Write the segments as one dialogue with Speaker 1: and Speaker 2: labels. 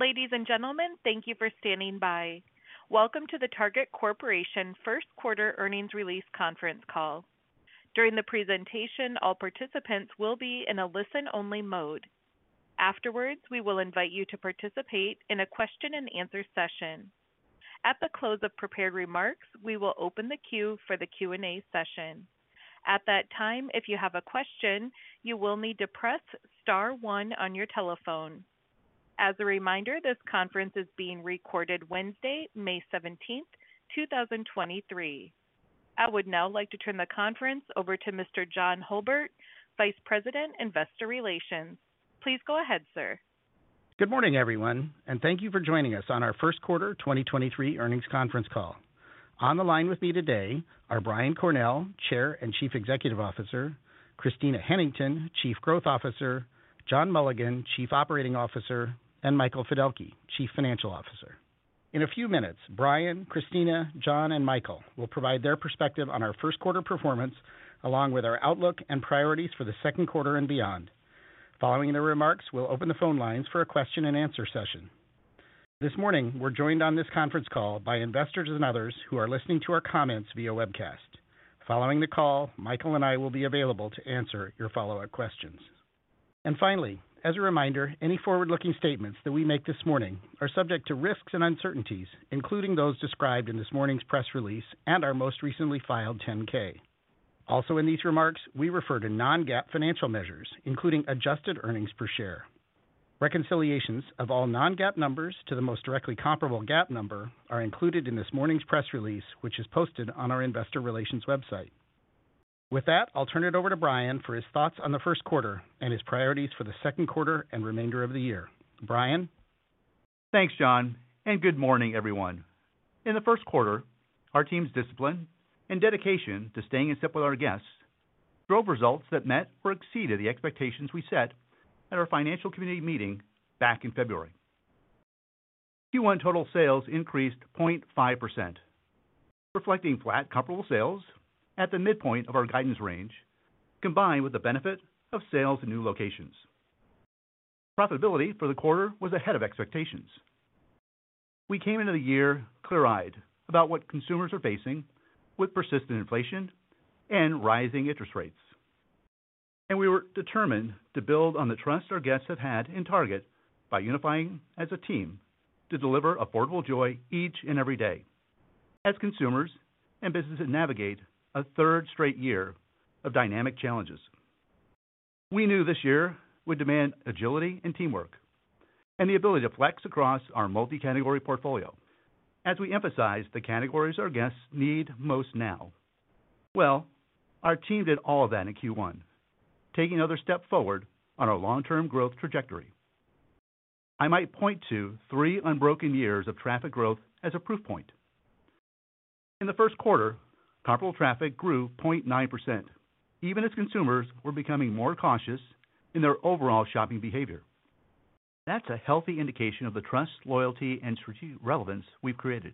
Speaker 1: Ladies and gentlemen, thank you for standing by. Welcome to the Target Corporation first quarter earnings release conference call. During the presentation, all participants will be in a listen-only mode. Afterwards, we will invite you to participate in a question-and-answer session. At the close of prepared remarks, we will open the queue for the Q&A session. At that time, if you have a question, you will need to press star one on your telephone. As a reminder, this conference is being recorded Wednesday, May 17, 2023. I would now like to turn the conference over to Mr. John Hulbert, Vice President Investor Relations. Please go ahead, sir.
Speaker 2: Good morning, everyone, thank you for joining us on our first quarter 2023 earnings conference call. On the line with me today are Brian Cornell, Chair and Chief Executive Officer, Christina Hennington, Chief Growth Officer, John Mulligan, Chief Operating Officer, and Michael Fiddelke, Chief Financial Officer. In a few minutes, Brian, Christina, John, and Michael will provide their perspective on our first quarter performance, along with our outlook and priorities for the second quarter and beyond. Following their remarks, we'll open the phone lines for a question-and-answer session. This morning, we're joined on this conference call by investors and others who are listening to our comments via webcast. Following the call, Michael and I will be available to answer your follow-up questions. Finally, as a reminder, any forward-looking statements that we make this morning are subject to risks and uncertainties, including those described in this morning's press release and our most recently filed 10-K. Also in these remarks, we refer to non-GAAP financial measures, including adjusted earnings per share. Reconciliations of all non-GAAP numbers to the most directly comparable GAAP number are included in this morning's press release, which is posted on our investor relations website. With that, I'll turn it over to Brian for his thoughts on the first quarter and his priorities for the second quarter and remainder of the year. Brian?
Speaker 3: Thanks, John. Good morning, everyone. In the first quarter, our team's discipline and dedication to staying in step with our guests drove results that met or exceeded the expectations we set at our financial community meeting back in February. Q1 total sales increased 0.5%, reflecting flat comparable sales at the midpoint of our guidance range, combined with the benefit of sales in new locations. Profitability for the quarter was ahead of expectations. We came into the year clear-eyed about what consumers are facing with persistent inflation and rising interest rates, and we were determined to build on the trust our guests have had in Target by unifying as a team to deliver affordable joy each and every day as consumers and businesses navigate a third straight year of dynamic challenges. We knew this year would demand agility and teamwork and the ability to flex across our multi-category portfolio as we emphasized the categories our guests need most now. Well, our team did all of that in Q1, taking others a step forward on our long-term growth trajectory. I might point to three unbroken years of traffic growth as a proof point. In the first quarter, comparable traffic grew 0.9%, even as consumers were becoming more cautious in their overall shopping behavior. That's a healthy indication of the trust, loyalty, and strategic relevance we've created,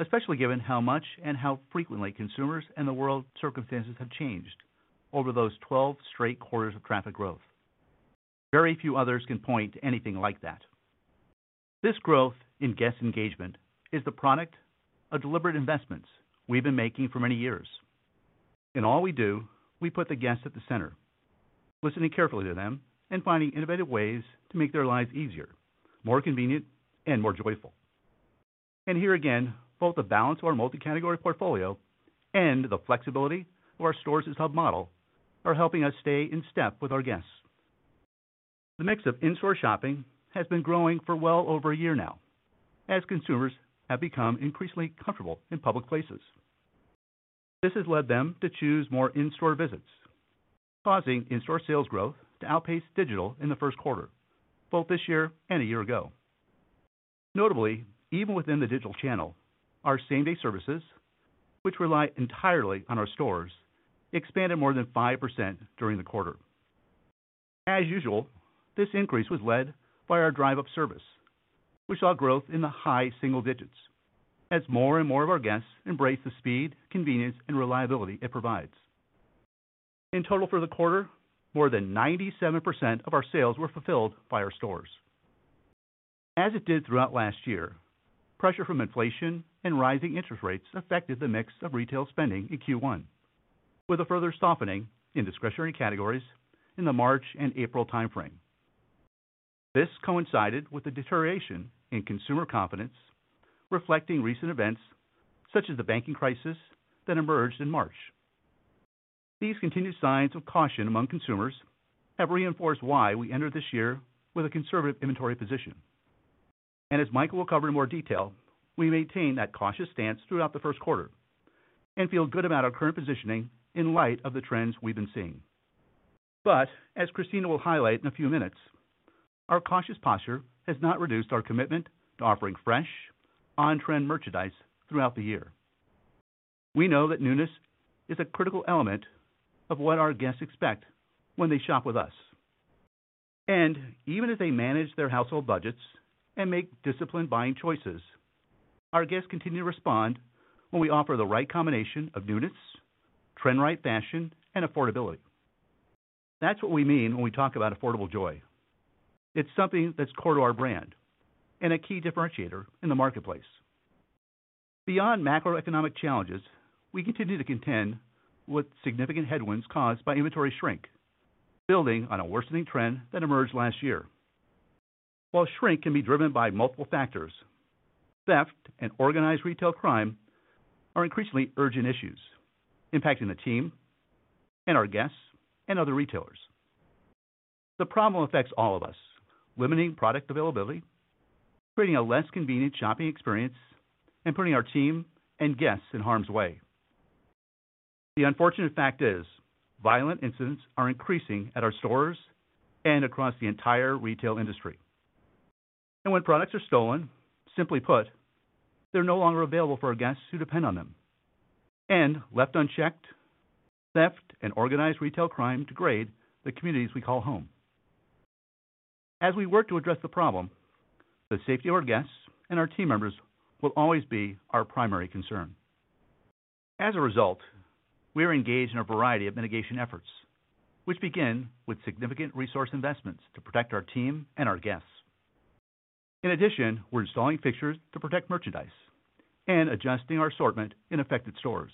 Speaker 3: especially given how much and how frequently consumers and the world circumstances have changed over those 12 straight quarters of traffic growth. Very few others can point to anything like that. This growth in guest engagement is the product of deliberate investments we've been making for many years. In all we do, we put the guests at the center, listening carefully to them and finding innovative ways to make their lives easier, more convenient, and more joyful. Here again, both the balance of our multi-category portfolio and the flexibility of our stores as hub model are helping us stay in step with our guests. The mix of in-store shopping has been growing for well over a year now as consumers have become increasingly comfortable in public places. This has led them to choose more in-store visits, causing in-store sales growth to outpace digital in the first quarter, both this year and a year ago. Notably, even within the digital channel, our same-day services, which rely entirely on our stores, expanded more than 5% during the quarter. As usual, this increase was led by our Drive Up service, which saw growth in the high single digits as more and more of our guests embrace the speed, convenience, and reliability it provides. In total for the quarter, more than 97% of our sales were fulfilled by our stores. As it did throughout last year, pressure from inflation and rising interest rates affected the mix of retail spending in Q1, with a further softening in discretionary categories in the March and April timeframe. This coincided with a deterioration in consumer confidence, reflecting recent events such as the banking crisis that emerged in March. These continued signs of caution among consumers have reinforced why we entered this year with a conservative inventory position. As Michael will cover in more detail, we maintain that cautious stance throughout the first quarter and feel good about our current positioning in light of the trends we've been seeing. As Christina will highlight in a few minutes, our cautious posture has not reduced our commitment to offering fresh, on-trend merchandise throughout the year. We know that newness is a critical element of what our guests expect when they shop with us. Even as they manage their household budgets and make disciplined buying choices, our guests continue to respond when we offer the right combination of newness, trend-right fashion, and affordability. That's what we mean when we talk about affordable joy. It's something that's core to our brand and a key differentiator in the marketplace. Beyond macroeconomic challenges, we continue to contend with significant headwinds caused by inventory shrink, building on a worsening trend that emerged last year. While shrink can be driven by multiple factors, theft and organized retail crime are increasingly urgent issues impacting the team and our guests and other retailers. The problem affects all of us, limiting product availability, creating a less convenient shopping experience, and putting our team and guests in harm's way. The unfortunate fact is violent incidents are increasing at our stores and across the entire retail industry. When products are stolen, simply put, they're no longer available for our guests who depend on them. Left unchecked, theft and organized retail crime degrade the communities we call home. As we work to address the problem, the safety of our guests and our team members will always be our primary concern. As a result, we are engaged in a variety of mitigation efforts, which begin with significant resource investments to protect our team and our guests. In addition, we're installing fixtures to protect merchandise and adjusting our assortment in affected stores.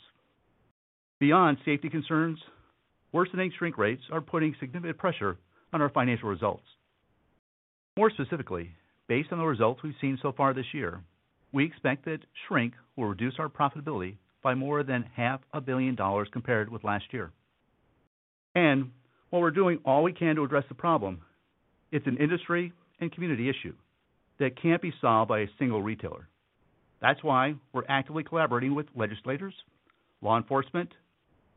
Speaker 3: Beyond safety concerns, worsening shrink rates are putting significant pressure on our financial results. More specifically, based on the results we've seen so far this year, we expect that shrink will reduce our profitability by more than half a billion dollars compared with last year. While we're doing all we can to address the problem, it's an industry and community issue that can't be solved by a single retailer. That's why we're actively collaborating with legislators, law enforcement,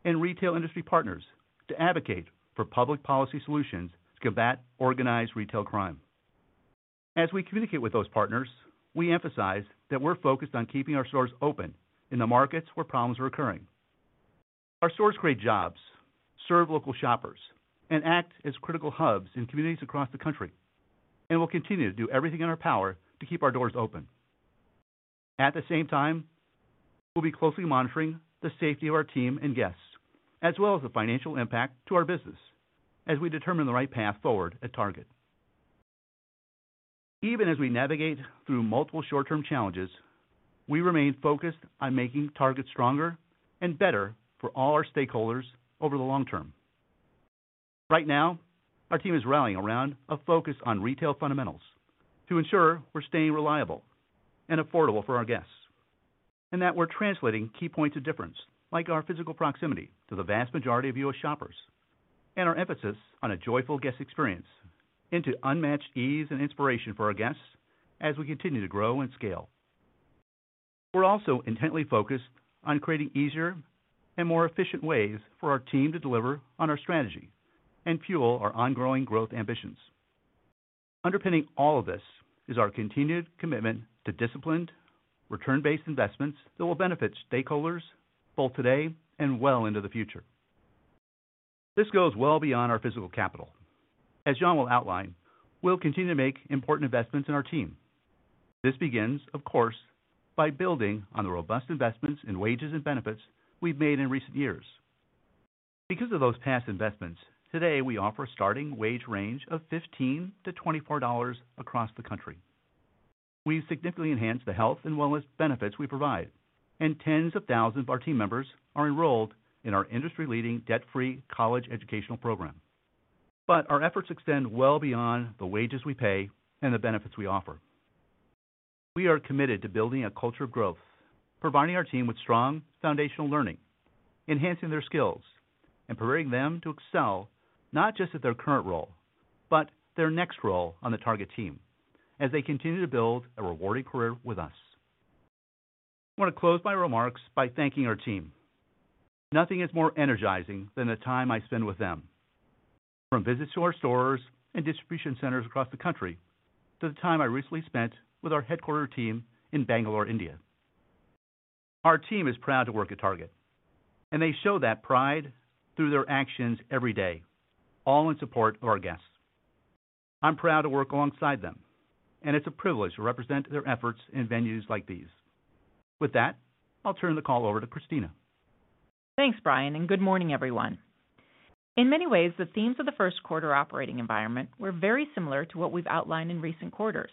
Speaker 3: and retail industry partners to advocate for public policy solutions to combat organized retail crime. As we communicate with those partners, we emphasize that we're focused on keeping our stores open in the markets where problems are occurring. Our stores create jobs, serve local shoppers, and act as critical hubs in communities across the country, and will continue to do everything in our power to keep our doors open. At the same time, we'll be closely monitoring the safety of our team and guests, as well as the financial impact to our business as we determine the right path forward at Target. Even as we navigate through multiple short-term challenges, we remain focused on making Target stronger and better for all our stakeholders over the long term. Right now, our team is rallying around a focus on retail fundamentals to ensure we're staying reliable and affordable for our guests, and that we're translating key points of difference like our physical proximity to the vast majority of U.S. shoppers and our emphasis on a joyful guest experience into unmatched ease and inspiration for our guests as we continue to grow and scale. We're also intently focused on creating easier and more efficient ways for our team to deliver on our strategy and fuel our ongoing growth ambitions. Underpinning all of this is our continued commitment to disciplined, return-based investments that will benefit stakeholders both today and well into the future. This goes well beyond our physical capital. As John will outline, we'll continue to make important investments in our team. This begins, of course, by building on the robust investments in wages and benefits we've made in recent years. Because of those past investments, today we offer a starting wage range of $15-$24 across the country. We've significantly enhanced the health and wellness benefits we provide, and tens of thousands of our team members are enrolled in our industry-leading debt-free college educational program. Our efforts extend well beyond the wages we pay and the benefits we offer. We are committed to building a culture of growth, providing our team with strong foundational learning, enhancing their skills, and preparing them to excel not just at their current role but their next role on the Target team as they continue to build a rewarding career with us. I want to close my remarks by thanking our team. Nothing is more energizing than the time I spend with them, from visits to our stores and distribution centers across the country to the time I recently spent with our headquarter team in Bangalore, India. Our team is proud to work at Target. They show that pride through their actions every day, all in support of our guests. I'm proud to work alongside them. It's a privilege to represent their efforts in venues like these. With that, I'll turn the call over to Christina.
Speaker 4: Thanks, Brian. Good morning, everyone. In many ways, the themes of the first quarter operating environment were very similar to what we've outlined in recent quarters.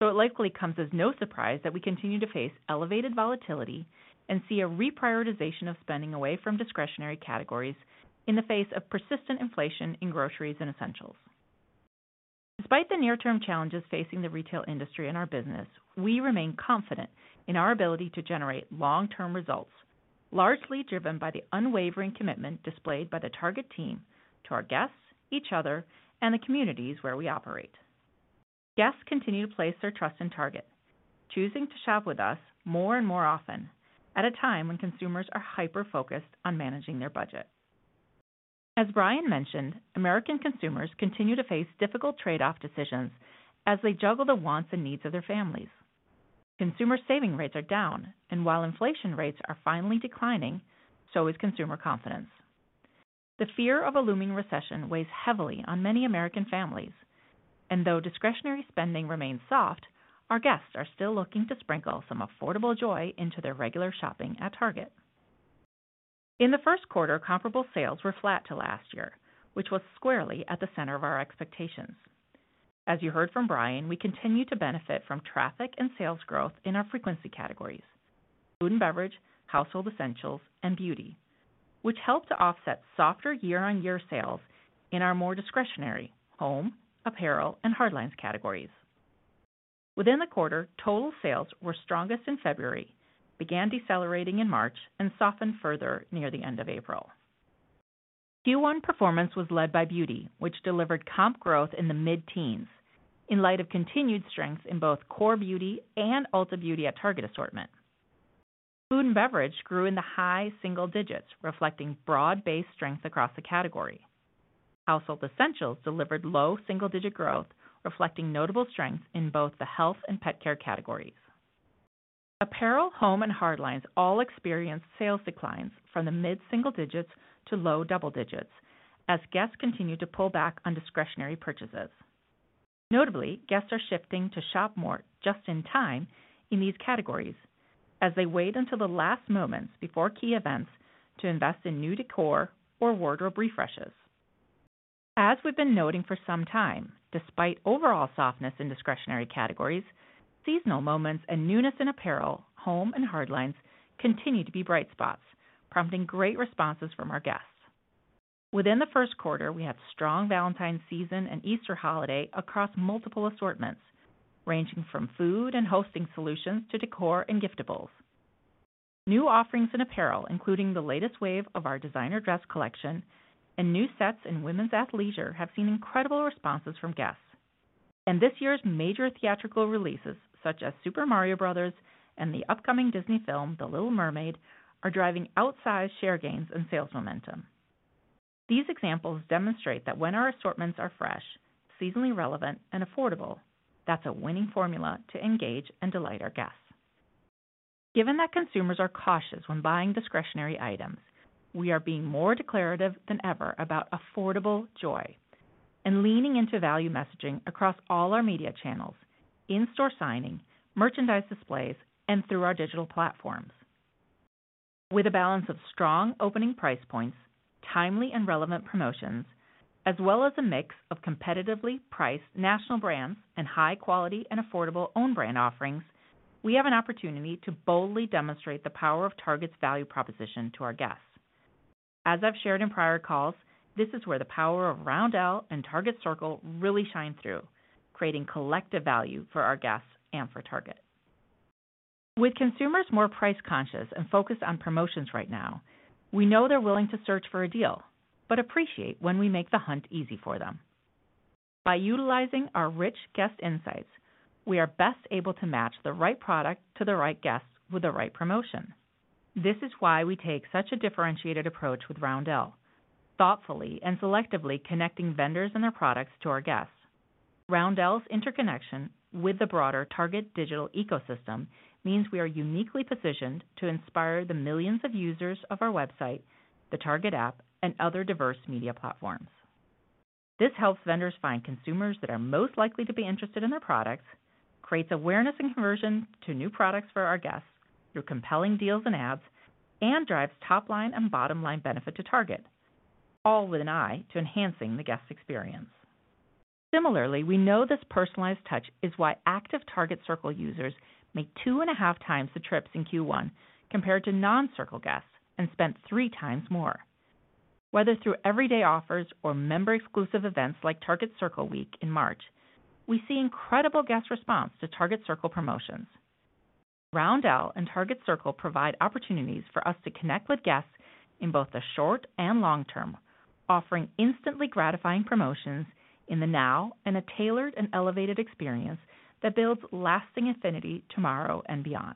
Speaker 4: It likely comes as no surprise that we continue to face elevated volatility and see a reprioritization of spending away from discretionary categories in the face of persistent inflation in groceries and essentials. Despite the near-term challenges facing the retail industry and our business, we remain confident in our ability to generate long-term results, largely driven by the unwavering commitment displayed by the Target team to our guests, each other, and the communities where we operate. Guests continue to place their trust in Target, choosing to shop with us more and more often at a time when consumers are hyper-focused on managing their budget. As Brian mentioned, American consumers continue to face difficult trade-off decisions as they juggle the wants and needs of their families. Consumer saving rates are down, and while inflation rates are finally declining, so is consumer confidence. The fear of a looming recession weighs heavily on many American families, and though discretionary spending remains soft, our guests are still looking to sprinkle some affordable joy into their regular shopping at Target. In the 1st quarter, comparable sales were flat to last year, which was squarely at the center of our expectations. As you heard from Brian, we continue to benefit from traffic and sales growth in our frequency categories: food and beverage, household essentials, and beauty, which help to offset softer year-on-year sales in our more discretionary: home, apparel, and hardlines categories. Within the quarter, total sales were strongest in February, began decelerating in March, and softened further near the end of April. Q1 performance was led by beauty, which delivered comp growth in the mid-teens in light of continued strengths in both core beauty and Ulta Beauty at Target assortment. Food and beverage grew in the high single digits, reflecting broad-based strength across the category. Household essentials delivered low single-digit growth, reflecting notable strengths in both the health and pet care categories. Apparel, home, and hardlines all experienced sales declines from the mid-single digits to low double digits as guests continue to pull back on discretionary purchases. Notably, guests are shifting to shop more just-in-time in these categories as they wait until the last moments before key events to invest in new décor or wardrobe refreshes. As we've been noting for some time, despite overall softness in discretionary categories, seasonal moments and newness in apparel, home, and hardlines continue to be bright spots, prompting great responses from our guests. Within the first quarter, we had strong Valentine's season and Easter holiday across multiple assortments, ranging from food and hosting solutions to décor and giftables. New offerings in apparel, including the latest wave of our designer dress collection and new sets in women's athleisure, have seen incredible responses from guests. This year's major theatrical releases, such as Super Mario Brothers and the upcoming Disney film The Little Mermaid, are driving outsized share gains and sales momentum. These examples demonstrate that when our assortments are fresh, seasonally relevant, and affordable, that's a winning formula to engage and delight our guests. Given that consumers are cautious when buying discretionary items, we are being more declarative than ever about affordable joy and leaning into value messaging across all our media channels, in-store signing, merchandise displays, and through our digital platforms. With a balance of strong opening price points, timely and relevant promotions, as well as a mix of competitively priced national brands and high-quality and affordable own-brand offerings, we have an opportunity to boldly demonstrate the power of Target's value proposition to our guests. As I've shared in prior calls, this is where the power of Roundel and Target Circle really shine through, creating collective value for our guests and for Target. With consumers more price-conscious and focused on promotions right now, we know they're willing to search for a deal but appreciate when we make the hunt easy for them. By utilizing our rich guest insights, we are best able to match the right product to the right guests with the right promotion. This is why we take such a differentiated approach with Roundel, thoughtfully and selectively connecting vendors and their products to our guests. Roundel's interconnection with the broader Target digital ecosystem means we are uniquely positioned to inspire the millions of users of our website, the Target app, and other diverse media platforms. This helps vendors find consumers that are most likely to be interested in their products, creates awareness and conversion to new products for our guests through compelling deals and ads, and drives top-line and bottom-line benefit to Target, all with an eye to enhancing the guest experience. Similarly, we know this personalized touch is why active Target Circle users make 2.5x the trips in Q1 compared to non-Circle guests and spend three times more. Whether through everyday offers or member-exclusive events like Target Circle Week in March, we see incredible guest response to Target Circle promotions. Roundel and Target Circle provide opportunities for us to connect with guests in both the short and long term, offering instantly gratifying promotions in the now and a tailored and elevated experience that builds lasting affinity tomorrow and beyond.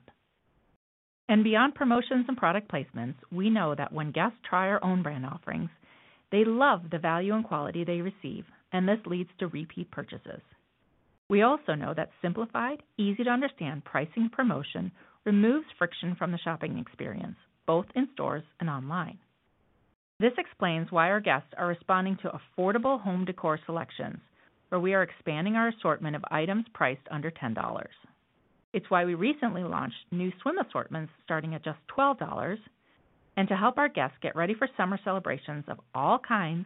Speaker 4: Beyond promotions and product placements, we know that when guests try our own-brand offerings, they love the value and quality they receive, and this leads to repeat purchases. We also know that simplified, easy-to-understand pricing promotion removes friction from the shopping experience, both in stores and online. This explains why our guests are responding to affordable home décor selections, where we are expanding our assortment of items priced under $10. It's why we recently launched new swim assortments starting at just $12. To help our guests get ready for summer celebrations of all kinds,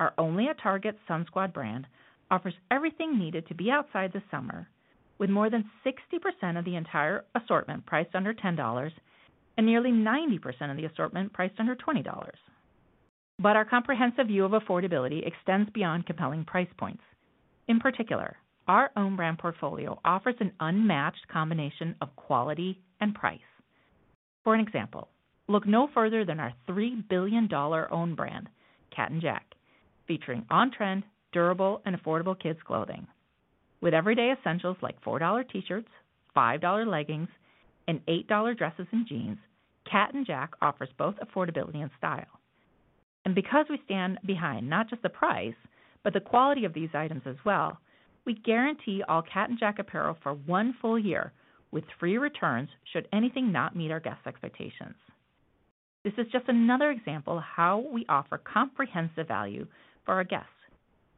Speaker 4: our only at Target Sun Squad brand offers everything needed to be outside the summer, with more than 60% of the entire assortment priced under $10 and nearly 90% of the assortment priced under $20. Our comprehensive view of affordability extends beyond compelling price points. In particular, our own-brand portfolio offers an unmatched combination of quality and price. For an example, look no further than our $3 billion own-brand, Cat & Jack, featuring on-trend, durable, and affordable kids' clothing. With everyday essentials like $4 T-shirts, $5 leggings, and $8 dresses and jeans, Cat & Jack offers both affordability and style. Because we stand behind not just the price but the quality of these items as well, we guarantee all Cat & Jack apparel for one full year with free returns should anything not meet our guests' expectations. This is just another example of how we offer comprehensive value for our guests,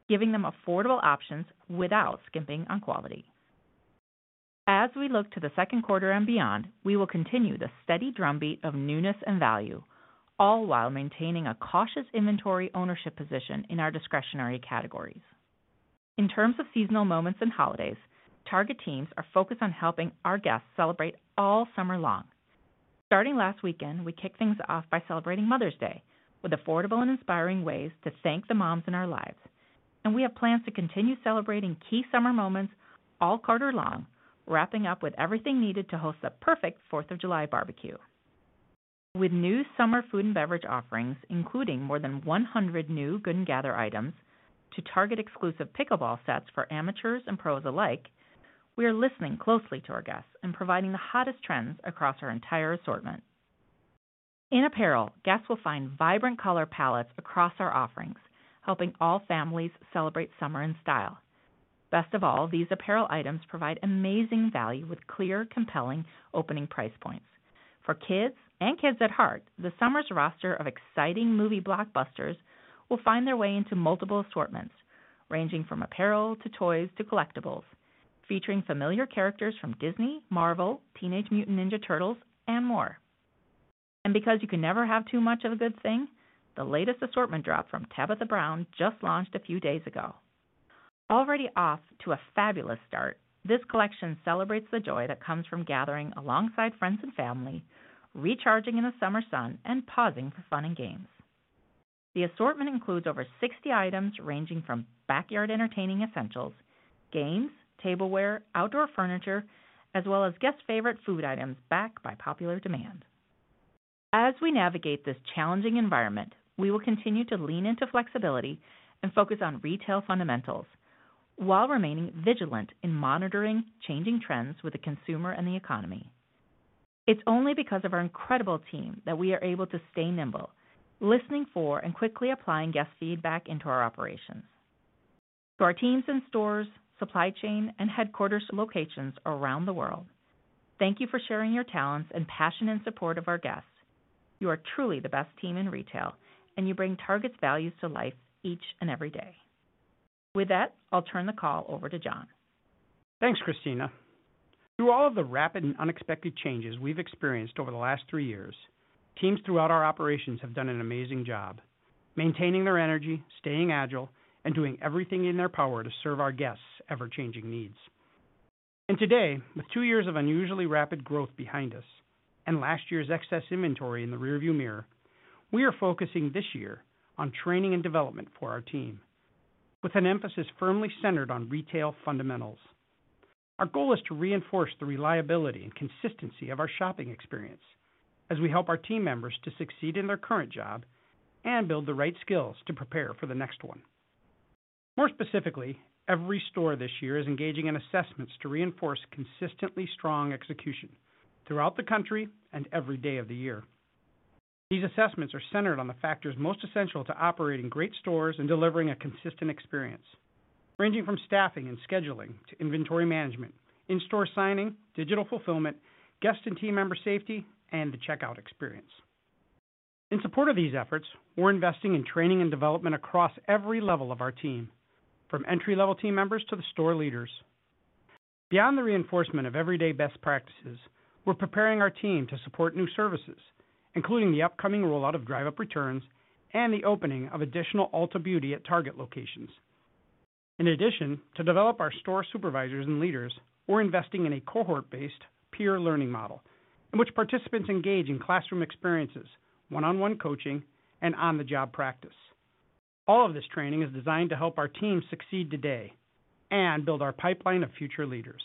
Speaker 4: giving them affordable options without skimping on quality. As we look to the second quarter and beyond, we will continue the steady drumbeat of newness and value, all while maintaining a cautious inventory ownership position in our discretionary categories. In terms of seasonal moments and holidays, Target teams are focused on helping our guests celebrate all summer long. Starting last weekend, we kicked things off by celebrating Mother's Day with affordable and inspiring ways to thank the moms in our lives. We have plans to continue celebrating key summer moments all quarter long, wrapping up with everything needed to host the perfect 4th of July barbecue. With new summer food and beverage offerings, including more than 100 new Good & Gather items to Target exclusive pickleball sets for amateurs and pros alike, we are listening closely to our guests and providing the hottest trends across our entire assortment. In apparel, guests will find vibrant color palettes across our offerings, helping all families celebrate summer in style. Best of all, these apparel items provide amazing value with clear, compelling opening price points. For kids and kids at heart, the summer's roster of exciting movie blockbusters will find their way into multiple assortments, ranging from apparel to toys to collectibles, featuring familiar characters from Disney, Marvel, Teenage Mutant Ninja Turtles, and more. Because you can never have too much of a good thing, the latest assortment drop from Tabitha Brown just launched a few days ago. Already off to a fabulous start, this collection celebrates the joy that comes from gathering alongside friends and family, recharging in the summer sun, and pausing for fun and games. The assortment includes over 60 items ranging from backyard entertaining essentials, games, tableware, outdoor furniture, as well as guests' favorite food items backed by popular demand. As we navigate this challenging environment, we will continue to lean into flexibility and focus on retail fundamentals while remaining vigilant in monitoring changing trends with the consumer and the economy. It's only because of our incredible team that we are able to stay nimble, listening for and quickly applying guest feedback into our operations. To our teams in stores, supply chain, and headquarters locations around the world, thank you for sharing your talents and passion and support of our guests. You are truly the best team in retail, and you bring Target's values to life each and every day. With that, I'll turn the call over to John.
Speaker 5: Thanks, Christina. Through all of the rapid and unexpected changes we've experienced over the last three years, teams throughout our operations have done an amazing job maintaining their energy, staying agile, and doing everything in their power to serve our guests' ever-changing needs. Today, with two years of unusually rapid growth behind us and last year's excess inventory in the rearview mirror, we are focusing this year on training and development for our team, with an emphasis firmly centered on retail fundamentals. Our goal is to reinforce the reliability and consistency of our shopping experience as we help our team members to succeed in their current job and build the right skills to prepare for the next one. More specifically, every store this year is engaging in assessments to reinforce consistently strong execution throughout the country and every day of the year. These assessments are centered on the factors most essential to operating great stores and delivering a consistent experience, ranging from staffing and scheduling to inventory management, in-store signing, digital fulfillment, guest and team member safety, and the checkout experience. In support of these efforts, we're investing in training and development across every level of our team, from entry-level team members to the store leaders. Beyond the reinforcement of everyday best practices, we're preparing our team to support new services, including the upcoming rollout of Drive Up Returns and the opening of additional Ulta Beauty at Target locations. In addition, to develop our store supervisors and leaders, we're investing in a cohort-based peer learning model in which participants engage in classroom experiences, one-on-one coaching, and on-the-job practice. All of this training is designed to help our team succeed today and build our pipeline of future leaders.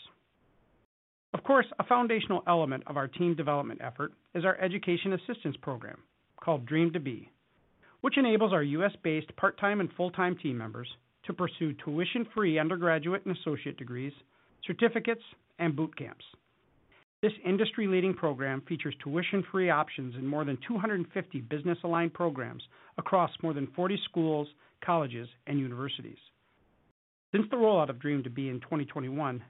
Speaker 5: Of course, a foundational element of our team development effort is our education assistance program called Dream to Be, which enables our U.S.-based part-time and full-time team members to pursue tuition-free undergraduate and associate degrees, certificates, and boot camps. This industry-leading program features tuition-free options in more than 250 business-aligned programs across more than 40 schools, colleges, and universities. Since the rollout of Dream to Be in 2021,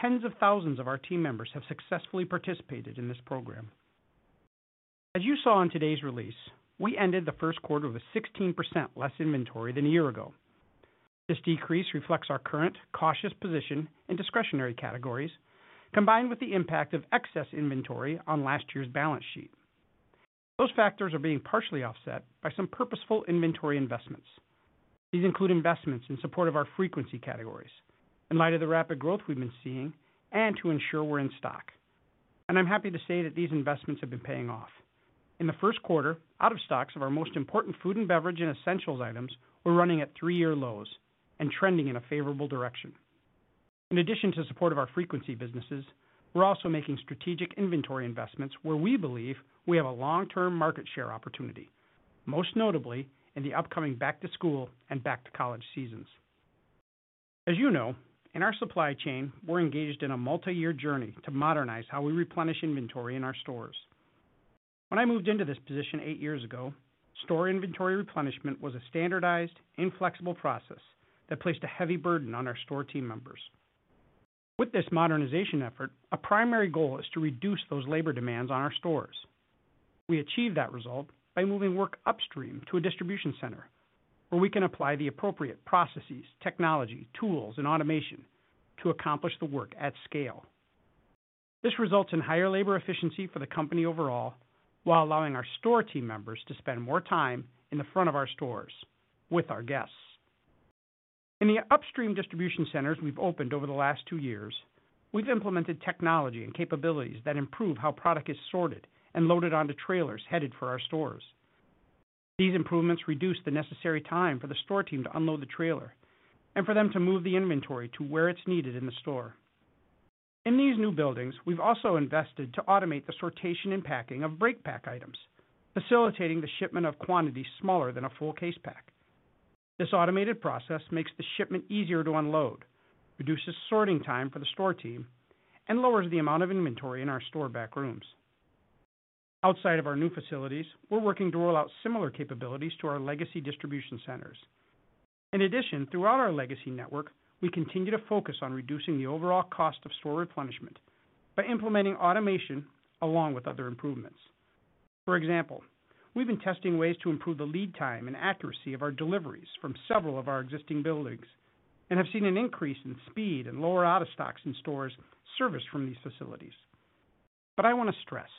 Speaker 5: tens of thousands of our team members have successfully participated in this program. As you saw in today's release, we ended the first quarter with a 16% less inventory than a year ago. This decrease reflects our current cautious position in discretionary categories, combined with the impact of excess inventory on last year's balance sheet. Those factors are being partially offset by some purposeful inventory investments. These include investments in support of our frequency categories in light of the rapid growth we've been seeing and to ensure we're in stock. I'm happy to say that these investments have been paying off. In the first quarter, out-of-stocks of our most important food and beverage and essentials items were running at three-year lows and trending in a favorable direction. In addition to support of our frequency businesses, we're also making strategic inventory investments where we believe we have a long-term market share opportunity, most notably in the upcoming back-to-school and back-to-college seasons. As you know, in our supply chain, we're engaged in a multi-year journey to modernize how we replenish inventory in our stores. When I moved into this position eight years ago, store inventory replenishment was a standardized, inflexible process that placed a heavy burden on our store team members. With this modernization effort, a primary goal is to reduce those labor demands on our stores. We achieve that result by moving work upstream to a distribution center, where we can apply the appropriate processes, technology, tools, and automation to accomplish the work at scale. This results in higher labor efficiency for the company overall while allowing our store team members to spend more time in the front of our stores with our guests. In the upstream distribution centers we've opened over the last two years, we've implemented technology and capabilities that improve how product is sorted and loaded onto trailers headed for our stores. These improvements reduce the necessary time for the store team to unload the trailer and for them to move the inventory to where it's needed in the store. In these new buildings, we've also invested to automate the sortation and packing of breakpack items, facilitating the shipment of quantities smaller than a full case pack. This automated process makes the shipment easier to unload, reduces sorting time for the store team, and lowers the amount of inventory in our store back rooms. Outside of our new facilities, we're working to roll out similar capabilities to our legacy distribution centers. In addition, throughout our legacy network, we continue to focus on reducing the overall cost of store replenishment by implementing automation along with other improvements. For example, we've been testing ways to improve the lead time and accuracy of our deliveries from several of our existing buildings and have seen an increase in speed and lower out-of-stocks in stores serviced from these facilities. I want to stress,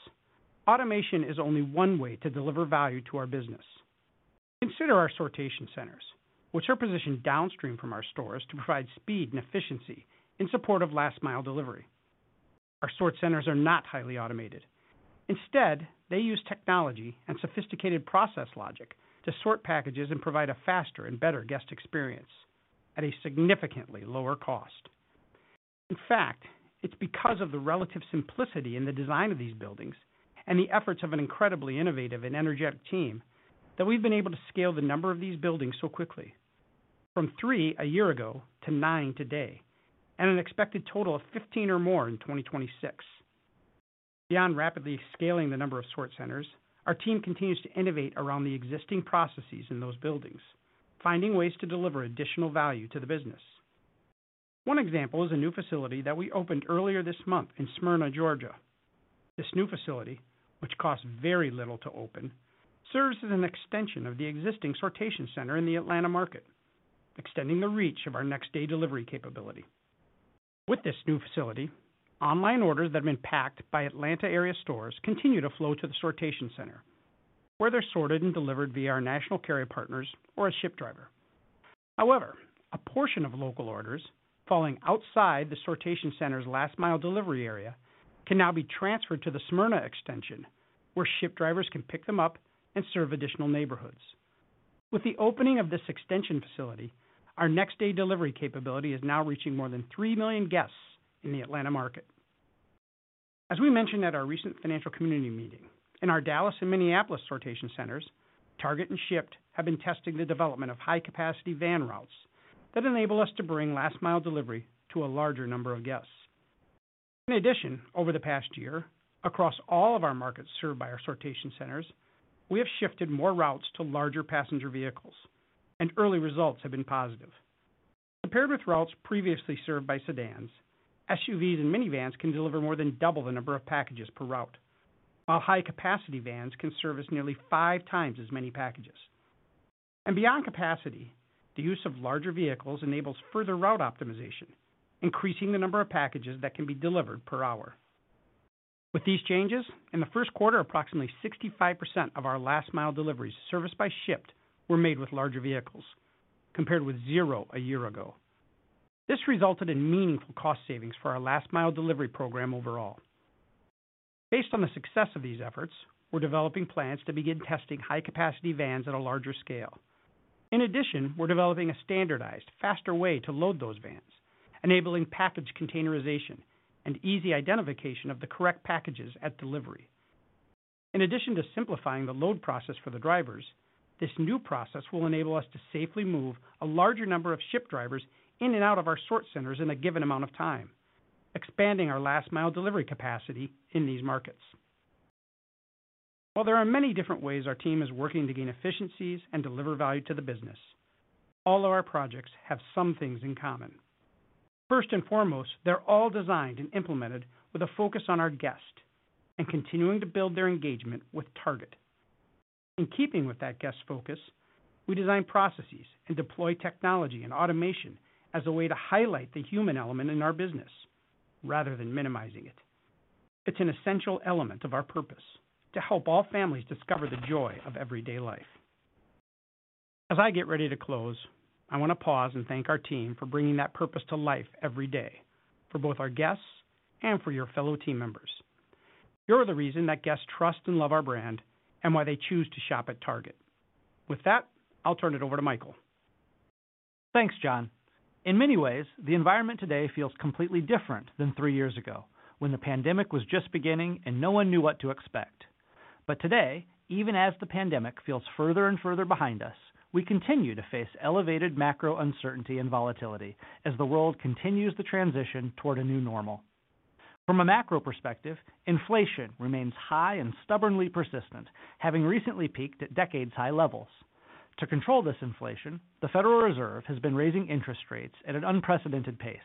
Speaker 5: automation is only one way to deliver value to our business. Consider our sortation centers, which are positioned downstream from our stores to provide speed and efficiency in support of last-mile delivery. Our sort centers are not highly automated. Instead, they use technology and sophisticated process logic to sort packages and provide a faster and better guest experience at a significantly lower cost. In fact, it's because of the relative simplicity in the design of these buildings and the efforts of an incredibly innovative and energetic team that we've been able to scale the number of these buildings so quickly, from three a year ago to nine today and an expected total of 15 or more in 2026. Beyond rapidly scaling the number of sort centers, our team continues to innovate around the existing processes in those buildings, finding ways to deliver additional value to the business. One example is a new facility that we opened earlier this month in Smyrna, Georgia. This new facility, which cost very little to open, serves as an extension of the existing sortation center in the Atlanta market, extending the reach of our next-day delivery capability. With this new facility, online orders that have been packed by Atlanta area stores continue to flow to the sortation center, where they're sorted and delivered via our national carrier partners or a Shipt driver. A portion of local orders falling outside the sortation center's last-mile delivery area can now be transferred to the Smyrna extension, where Shipt drivers can pick them up and serve additional neighborhoods. With the opening of this extension facility, our next-day delivery capability is now reaching more than 3 million guests in the Atlanta market. As we mentioned at our recent financial community meeting, in our Dallas and Minneapolis sortation centers, Target and Shipt have been testing the development of high-capacity van routes that enable us to bring last-mile delivery to a larger number of guests. In addition, over the past year, across all of our markets served by our sortation centers, we have shifted more routes to larger passenger vehicles, and early results have been positive. Compared with routes previously served by sedans, SUVs and minivans can deliver more than double the number of packages per route, while high-capacity vans can service nearly 5 times as many packages. Beyond capacity, the use of larger vehicles enables further route optimization, increasing the number of packages that can be delivered per hour. With these changes, in the first quarter, approximately 65% of our last-mile deliveries serviced by Shipt were made with larger vehicles, compared with 0 1 year ago. This resulted in meaningful cost savings for our last-mile delivery program overall. Based on the success of these efforts, we're developing plans to begin testing high-capacity vans at a larger scale. In addition, we're developing a standardized, faster way to load those vans, enabling package containerization and easy identification of the correct packages at delivery. In addition to simplifying the load process for the drivers, this new process will enable us to safely move a larger number of Shipt drivers in and out of our sort centers in a given amount of time, expanding our last-mile delivery capacity in these markets. While there are many different ways our team is working to gain efficiencies and deliver value to the business, all of our projects have some things in common. First and foremost, they're all designed and implemented with a focus on our guest and continuing to build their engagement with Target. In keeping with that guest focus, we design processes and deploy technology and automation as a way to highlight the human element in our business rather than minimizing it. It's an essential element of our purpose to help all families discover the joy of everyday life. As I get ready to close, I want to pause and thank our team for bringing that purpose to life every day, for both our guests and for your fellow team members. You're the reason that guests trust and love our brand and why they choose to shop at Target. With that, I'll turn it over to Michael.
Speaker 6: Thanks, John Hulbert. In many ways, the environment today feels completely different than three years ago, when the pandemic was just beginning and no one knew what to expect. Today, even as the pandemic feels further and further behind us, we continue to face elevated macro uncertainty and volatility as the world continues the transition toward a new normal. From a macro perspective, inflation remains high and stubbornly persistent, having recently peaked at decades-high levels. To control this inflation, the Federal Reserve has been raising interest rates at an unprecedented pace.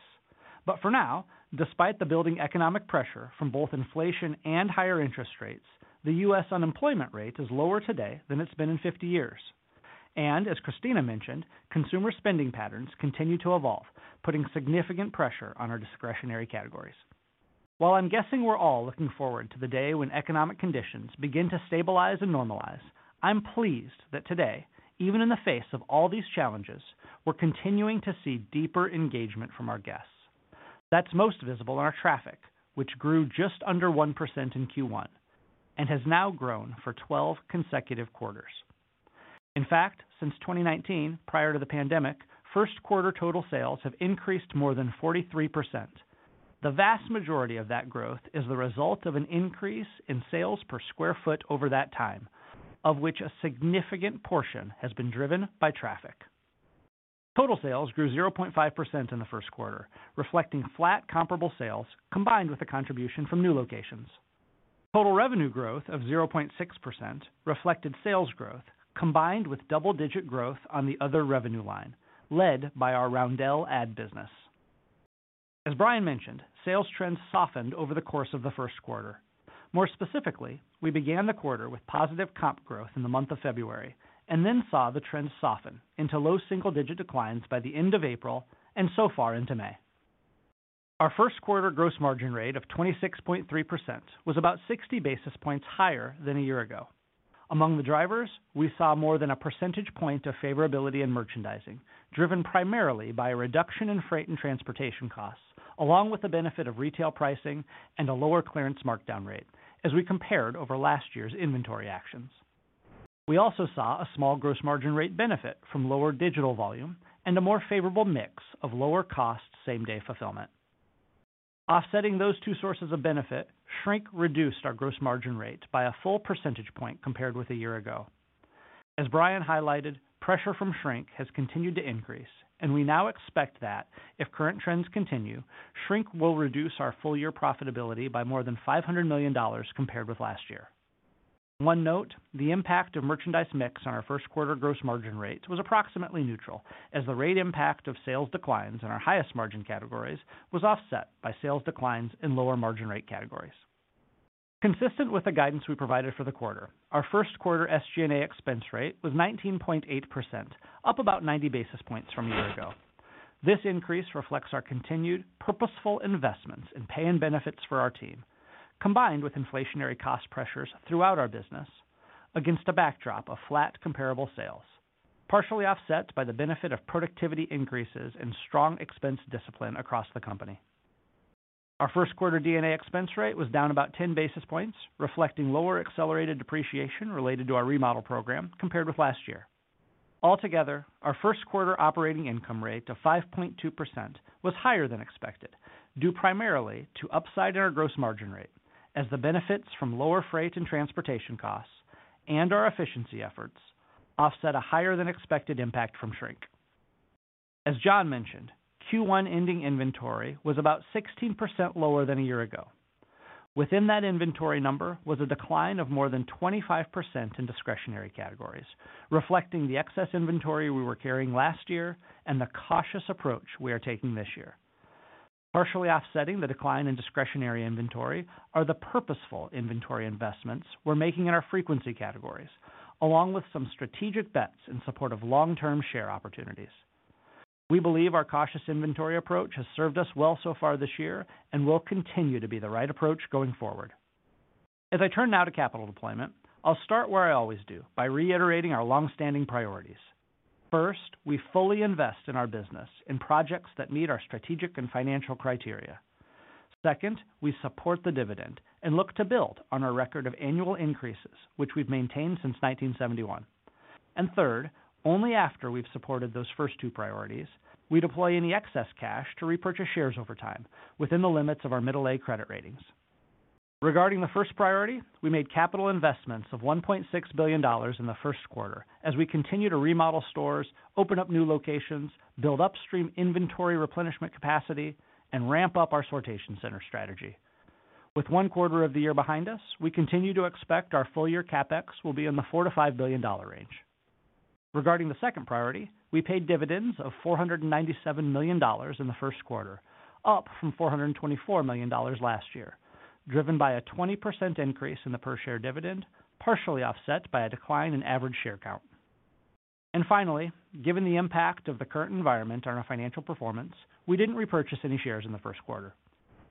Speaker 6: For now, despite the building economic pressure from both inflation and higher interest rates, the U.S. unemployment rate is lower today than it's been in 50 years. As Christina Hennington mentioned, consumer spending patterns continue to evolve, putting significant pressure on our discretionary categories. While I'm guessing we're all looking forward to the day when economic conditions begin to stabilize and normalize, I'm pleased that today, even in the face of all these challenges, we're continuing to see deeper engagement from our guests. That's most visible in our traffic, which grew just under 1% in Q1 and has now grown for 12 consecutive quarters. In fact, since 2019, prior to the pandemic, first-quarter total sales have increased more than 43%. The vast majority of that growth is the result of an increase in sales per square foot over that time, of which a significant portion has been driven by traffic. Total sales grew 0.5% in the first quarter, reflecting flat comparable sales combined with the contribution from new locations. Total revenue growth of 0.6% reflected sales growth combined with double-digit growth on the other revenue line, led by our Roundel ad business. As Brian mentioned, sales trends softened over the course of the first quarter. More specifically, we began the quarter with positive comp growth in the month of February and then saw the trends soften into low single-digit declines by the end of April and so far into May. Our first-quarter gross margin rate of 26.3% was about 60 basis points higher than a year ago. Among the drivers, we saw more than a percentage point of favorability in merchandising, driven primarily by a reduction in freight and transportation costs, along with the benefit of retail pricing and a lower clearance markdown rate as we compared over last year's inventory actions. We also saw a small gross margin rate benefit from lower digital volume and a more favorable mix of lower-cost same-day fulfillment. Offsetting those two sources of benefit, shrink reduced our gross margin rate by a full percentage point compared with a year ago. As Brian highlighted, pressure from shrink has continued to increase, and we now expect that, if current trends continue, shrink will reduce our full-year profitability by more than $500 million compared with last year. One note, the impact of merchandise mix on our first-quarter gross margin rate was approximately neutral, as the rate impact of sales declines in our highest margin categories was offset by sales declines in lower margin rate categories. Consistent with the guidance we provided for the quarter, our first-quarter SG&A expense rate was 19.8%, up about 90 basis points from a year ago. This increase reflects our continued purposeful investments in pay and benefits for our team, combined with inflationary cost pressures throughout our business against a backdrop of flat comparable sales, partially offset by the benefit of productivity increases and strong expense discipline across the company. Our first-quarter D&A expense rate was down about 10 basis points, reflecting lower accelerated depreciation related to our remodel program compared with last year. Altogether, our first-quarter operating income rate of 5.2% was higher than expected due primarily to upside in our gross margin rate, as the benefits from lower freight and transportation costs and our efficiency efforts offset a higher-than-expected impact from shrink. As John mentioned, Q1 ending inventory was about 16% lower than a year ago. Within that inventory number was a decline of more than 25% in discretionary categories, reflecting the excess inventory we were carrying last year and the cautious approach we are taking this year. Partially offsetting the decline in discretionary inventory are the purposeful inventory investments we're making in our frequency categories, along with some strategic bets in support of long-term share opportunities. We believe our cautious inventory approach has served us well so far this year and will continue to be the right approach going forward. I turn now to capital deployment, I'll start where I always do by reiterating our longstanding priorities. First, we fully invest in our business in projects that meet our strategic and financial criteria. Second, we support the dividend and look to build on our record of annual increases, which we've maintained since 1971. Third, only after we've supported those first two priorities, we deploy any excess cash to repurchase shares over time within the limits of our middle-A credit ratings. Regarding the first priority, we made capital investments of $1.6 billion in the first quarter as we continue to remodel stores, open up new locations, build upstream inventory replenishment capacity, and ramp up our sortation center strategy. With one quarter of the year behind us, we continue to expect our full-year capex will be in the $4 billion-$5 billion range. Regarding the second priority, we paid dividends of $497 million in the first quarter, up from $424 million last year, driven by a 20% increase in the per-share dividend, partially offset by a decline in average share count. Finally, given the impact of the current environment on our financial performance, we didn't repurchase any shares in the first quarter.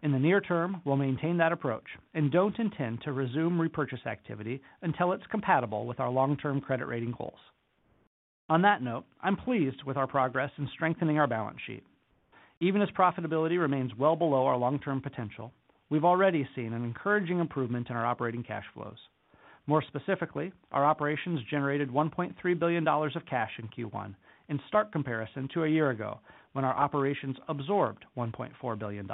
Speaker 6: In the near term, we'll maintain that approach and don't intend to resume repurchase activity until it's compatible with our long-term credit rating goals. On that note, I'm pleased with our progress in strengthening our balance sheet. Even as profitability remains well below our long-term potential, we've already seen an encouraging improvement in our operating cash flows. More specifically, our operations generated $1.3 billion of cash in Q1 in stark comparison to a year ago when our operations absorbed $1.4 billion.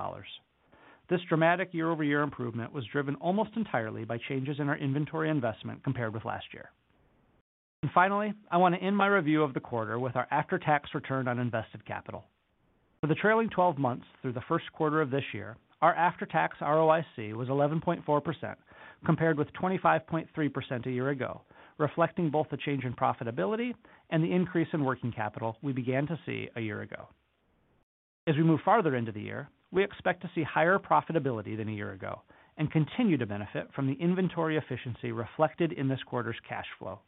Speaker 6: This dramatic year-over-year improvement was driven almost entirely by changes in our inventory investment compared with last year. Finally, I want to end my review of the quarter with our after-tax return on invested capital. For the trailing 12 months through the first quarter of this year, our after-tax ROIC was 11.4% compared with 25.3% a year ago, reflecting both the change in profitability and the increase in working capital we began to see a year ago. As we move farther into the year, we expect to see higher profitability than a year ago and continue to benefit from the inventory efficiency reflected in this quarter's cash flow.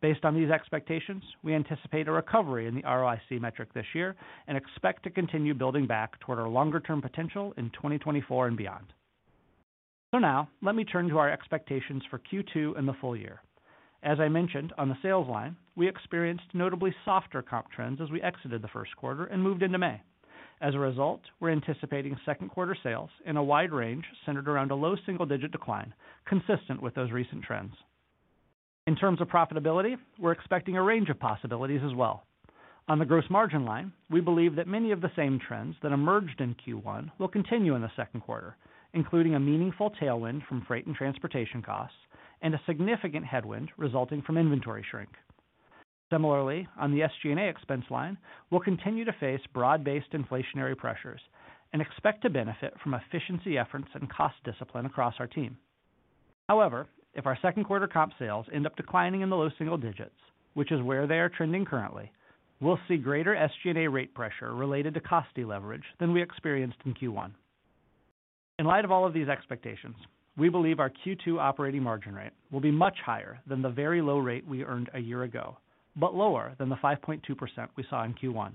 Speaker 6: Based on these expectations, we anticipate a recovery in the ROIC metric this year and expect to continue building back toward our longer-term potential in 2024 and beyond. Now, let me turn to our expectations for Q2 and the full year. As I mentioned, on the sales line, we experienced notably softer comp trends as we exited the first quarter and moved into May. As a result, we're anticipating second-quarter sales in a wide range centered around a low single-digit decline, consistent with those recent trends. In terms of profitability, we're expecting a range of possibilities as well. On the gross margin line, we believe that many of the same trends that emerged in Q1 will continue in the second quarter, including a meaningful tailwind from freight and transportation costs and a significant headwind resulting from inventory shrink. Similarly, on the SG&A expense line, we'll continue to face broad-based inflationary pressures and expect to benefit from efficiency efforts and cost discipline across our team. However, if our second-quarter comp sales end up declining in the low single digits, which is where they are trending currently, we'll see greater SG&A rate pressure related to costly leverage than we experienced in Q1. In light of all of these expectations, we believe our Q2 operating margin rate will be much higher than the very low rate we earned a year ago, but lower than the 5.2% we saw in Q1.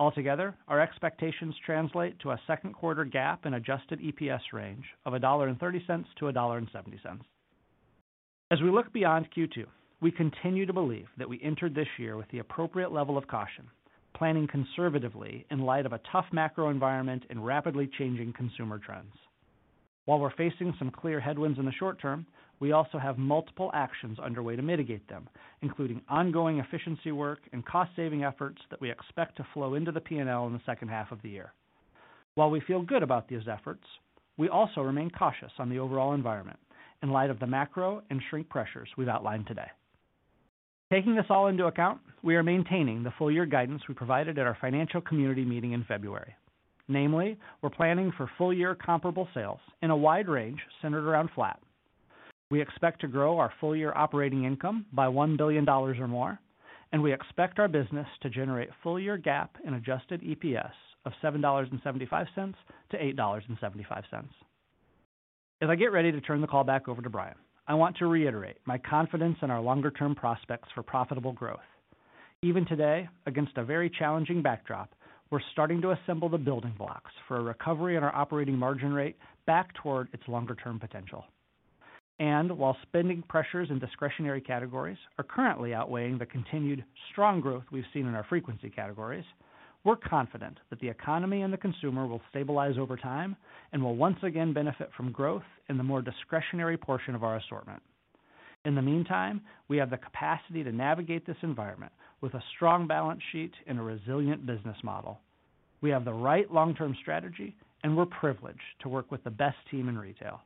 Speaker 6: Altogether, our expectations translate to a second-quarter GAAP in adjusted EPS range of $1.30-$1.70. As we look beyond Q2, we continue to believe that we entered this year with the appropriate level of caution, planning conservatively in light of a tough macro environment and rapidly changing consumer trends. While we're facing some clear headwinds in the short term, we also have multiple actions underway to mitigate them, including ongoing efficiency work and cost-saving efforts that we expect to flow into the P&L in the second half of the year. While we feel good about these efforts, we also remain cautious on the overall environment in light of the macro and shrink pressures we've outlined today. Taking this all into account, we are maintaining the full-year guidance we provided at our financial community meeting in February. Namely, we're planning for full-year comparable sales in a wide range centered around flat. We expect to grow our full-year operating income by $1 billion or more, and we expect our business to generate full-year GAAP in adjusted EPS of $7.75-$8.75. As I get ready to turn the call back over to Brian, I want to reiterate my confidence in our longer-term prospects for profitable growth. Even today, against a very challenging backdrop, we're starting to assemble the building blocks for a recovery in our operating margin rate back toward its longer-term potential. While spending pressures in discretionary categories are currently outweighing the continued strong growth we've seen in our frequency categories, we're confident that the economy and the consumer will stabilize over time and will once again benefit from growth in the more discretionary portion of our assortment. In the meantime, we have the capacity to navigate this environment with a strong balance sheet and a resilient business model. We have the right long-term strategy, and we're privileged to work with the best team in retail.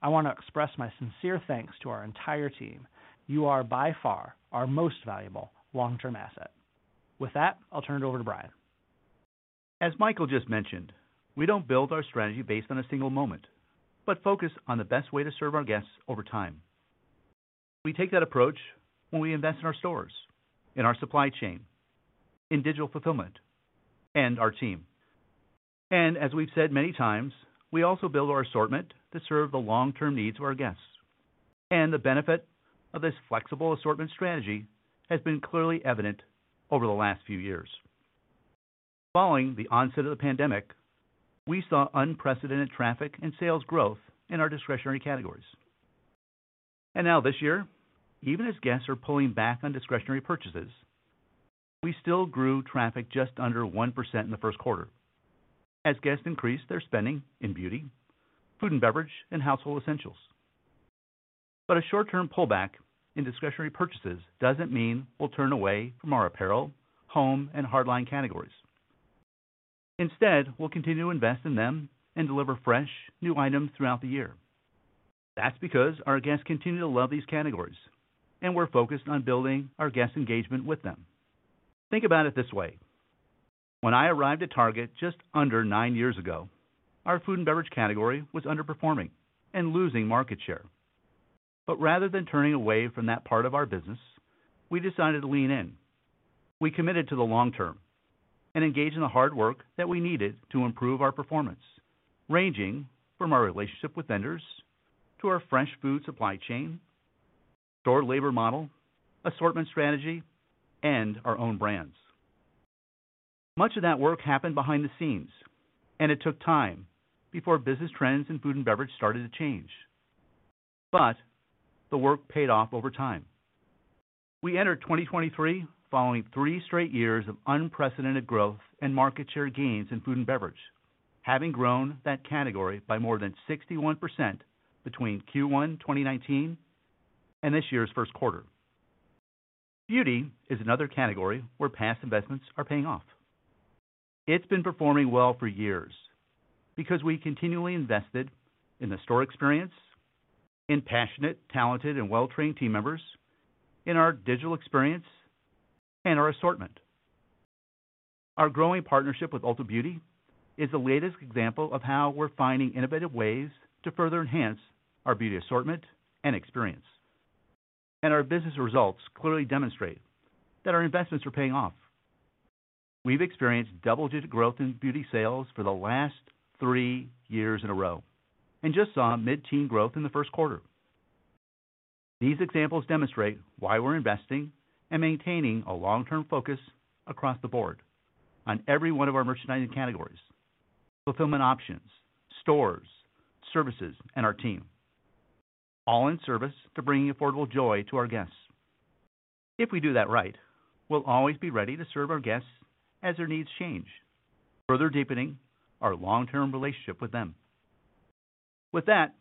Speaker 6: I want to express my sincere thanks to our entire team. You are, by far, our most valuable long-term asset. With that, I'll turn it over to Brian.
Speaker 3: As Michael just mentioned, we don't build our strategy based on a single moment but focus on the best way to serve our guests over time. We take that approach when we invest in our stores, in our supply chain, in digital fulfillment, and our team. As we've said many times, we also build our assortment to serve the long-term needs of our guests. The benefit of this flexible assortment strategy has been clearly evident over the last few years. Following the onset of the pandemic, we saw unprecedented traffic and sales growth in our discretionary categories. Now this year, even as guests are pulling back on discretionary purchases, we still grew traffic just under 1% in the first quarter as guests increased their spending in beauty, food and beverage, and household essentials. A short-term pullback in discretionary purchases doesn't mean we'll turn away from our apparel, home, and hardline categories. Instead, we'll continue to invest in them and deliver fresh, new items throughout the year. That's because our guests continue to love these categories, and we're focused on building our guest engagement with them. Think about it this way. When I arrived at Target just under nine years ago, our food and beverage category was underperforming and losing market share. Rather than turning away from that part of our business, we decided to lean in. We committed to the long term and engaged in the hard work that we needed to improve our performance, ranging from our relationship with vendors to our fresh food supply chain, store labor model, assortment strategy, and our own brands. Much of that work happened behind the scenes, and it took time before business trends in food and beverage started to change. The work paid off over time. We entered 2023 following three straight years of unprecedented growth and market share gains in food and beverage, having grown that category by more than 61% between Q1 2019 and this year's first quarter. Beauty is another category where past investments are paying off. It's been performing well for years because we continually invested in the store experience, in passionate, talented, and well-trained team members, in our digital experience, and our assortment. Our growing partnership with Ulta Beauty is the latest example of how we're finding innovative ways to further enhance our beauty assortment and experience. Our business results clearly demonstrate that our investments are paying off. We've experienced double-digit growth in beauty sales for the last three years in a row and just saw mid-teen growth in the first quarter. These examples demonstrate why we're investing and maintaining a long-term focus across the board on every one of our merchandising categories, fulfillment options, stores, services, and our team, all in service to bringing affordable joy to our guests. If we do that right, we'll always be ready to serve our guests as their needs change, further deepening our long-term relationship with them. With that,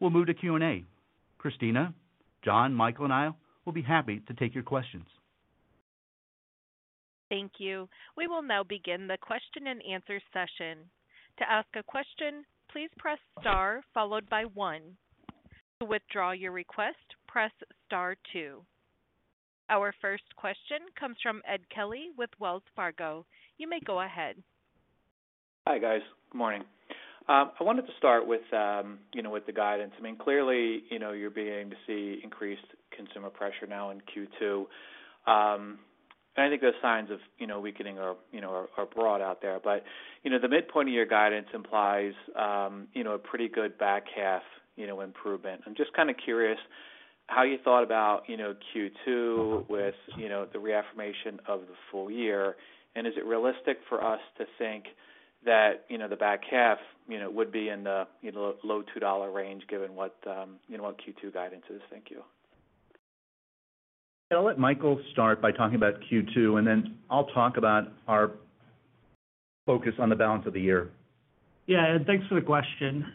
Speaker 3: we'll move to Q&A. Christina, John, Michael, and I will be happy to take your questions.
Speaker 1: Thank you. We will now begin the question-and-answer session. To ask a question, please press star followed by one. To withdraw your request, press star two. Our first question comes from Ed Kelly with Wells Fargo. You may go ahead.
Speaker 7: Hi, guys. Good morning. I wanted to start with the guidance. I mean, clearly, you're beginning to see increased consumer pressure now in Q2. I think those signs of weakening are broad out there. The midpoint of your guidance implies a pretty good back half improvement. I'm just kind of curious how you thought about Q2 with the reaffirmation of the full year. Is it realistic for us to think that the back half would be in the low $2 range given what Q2 guidance is? Thank you.
Speaker 2: I'll let Michael start by talking about Q2, and then I'll talk about our focus on the balance of the year.
Speaker 6: Yeah. Thanks for the question.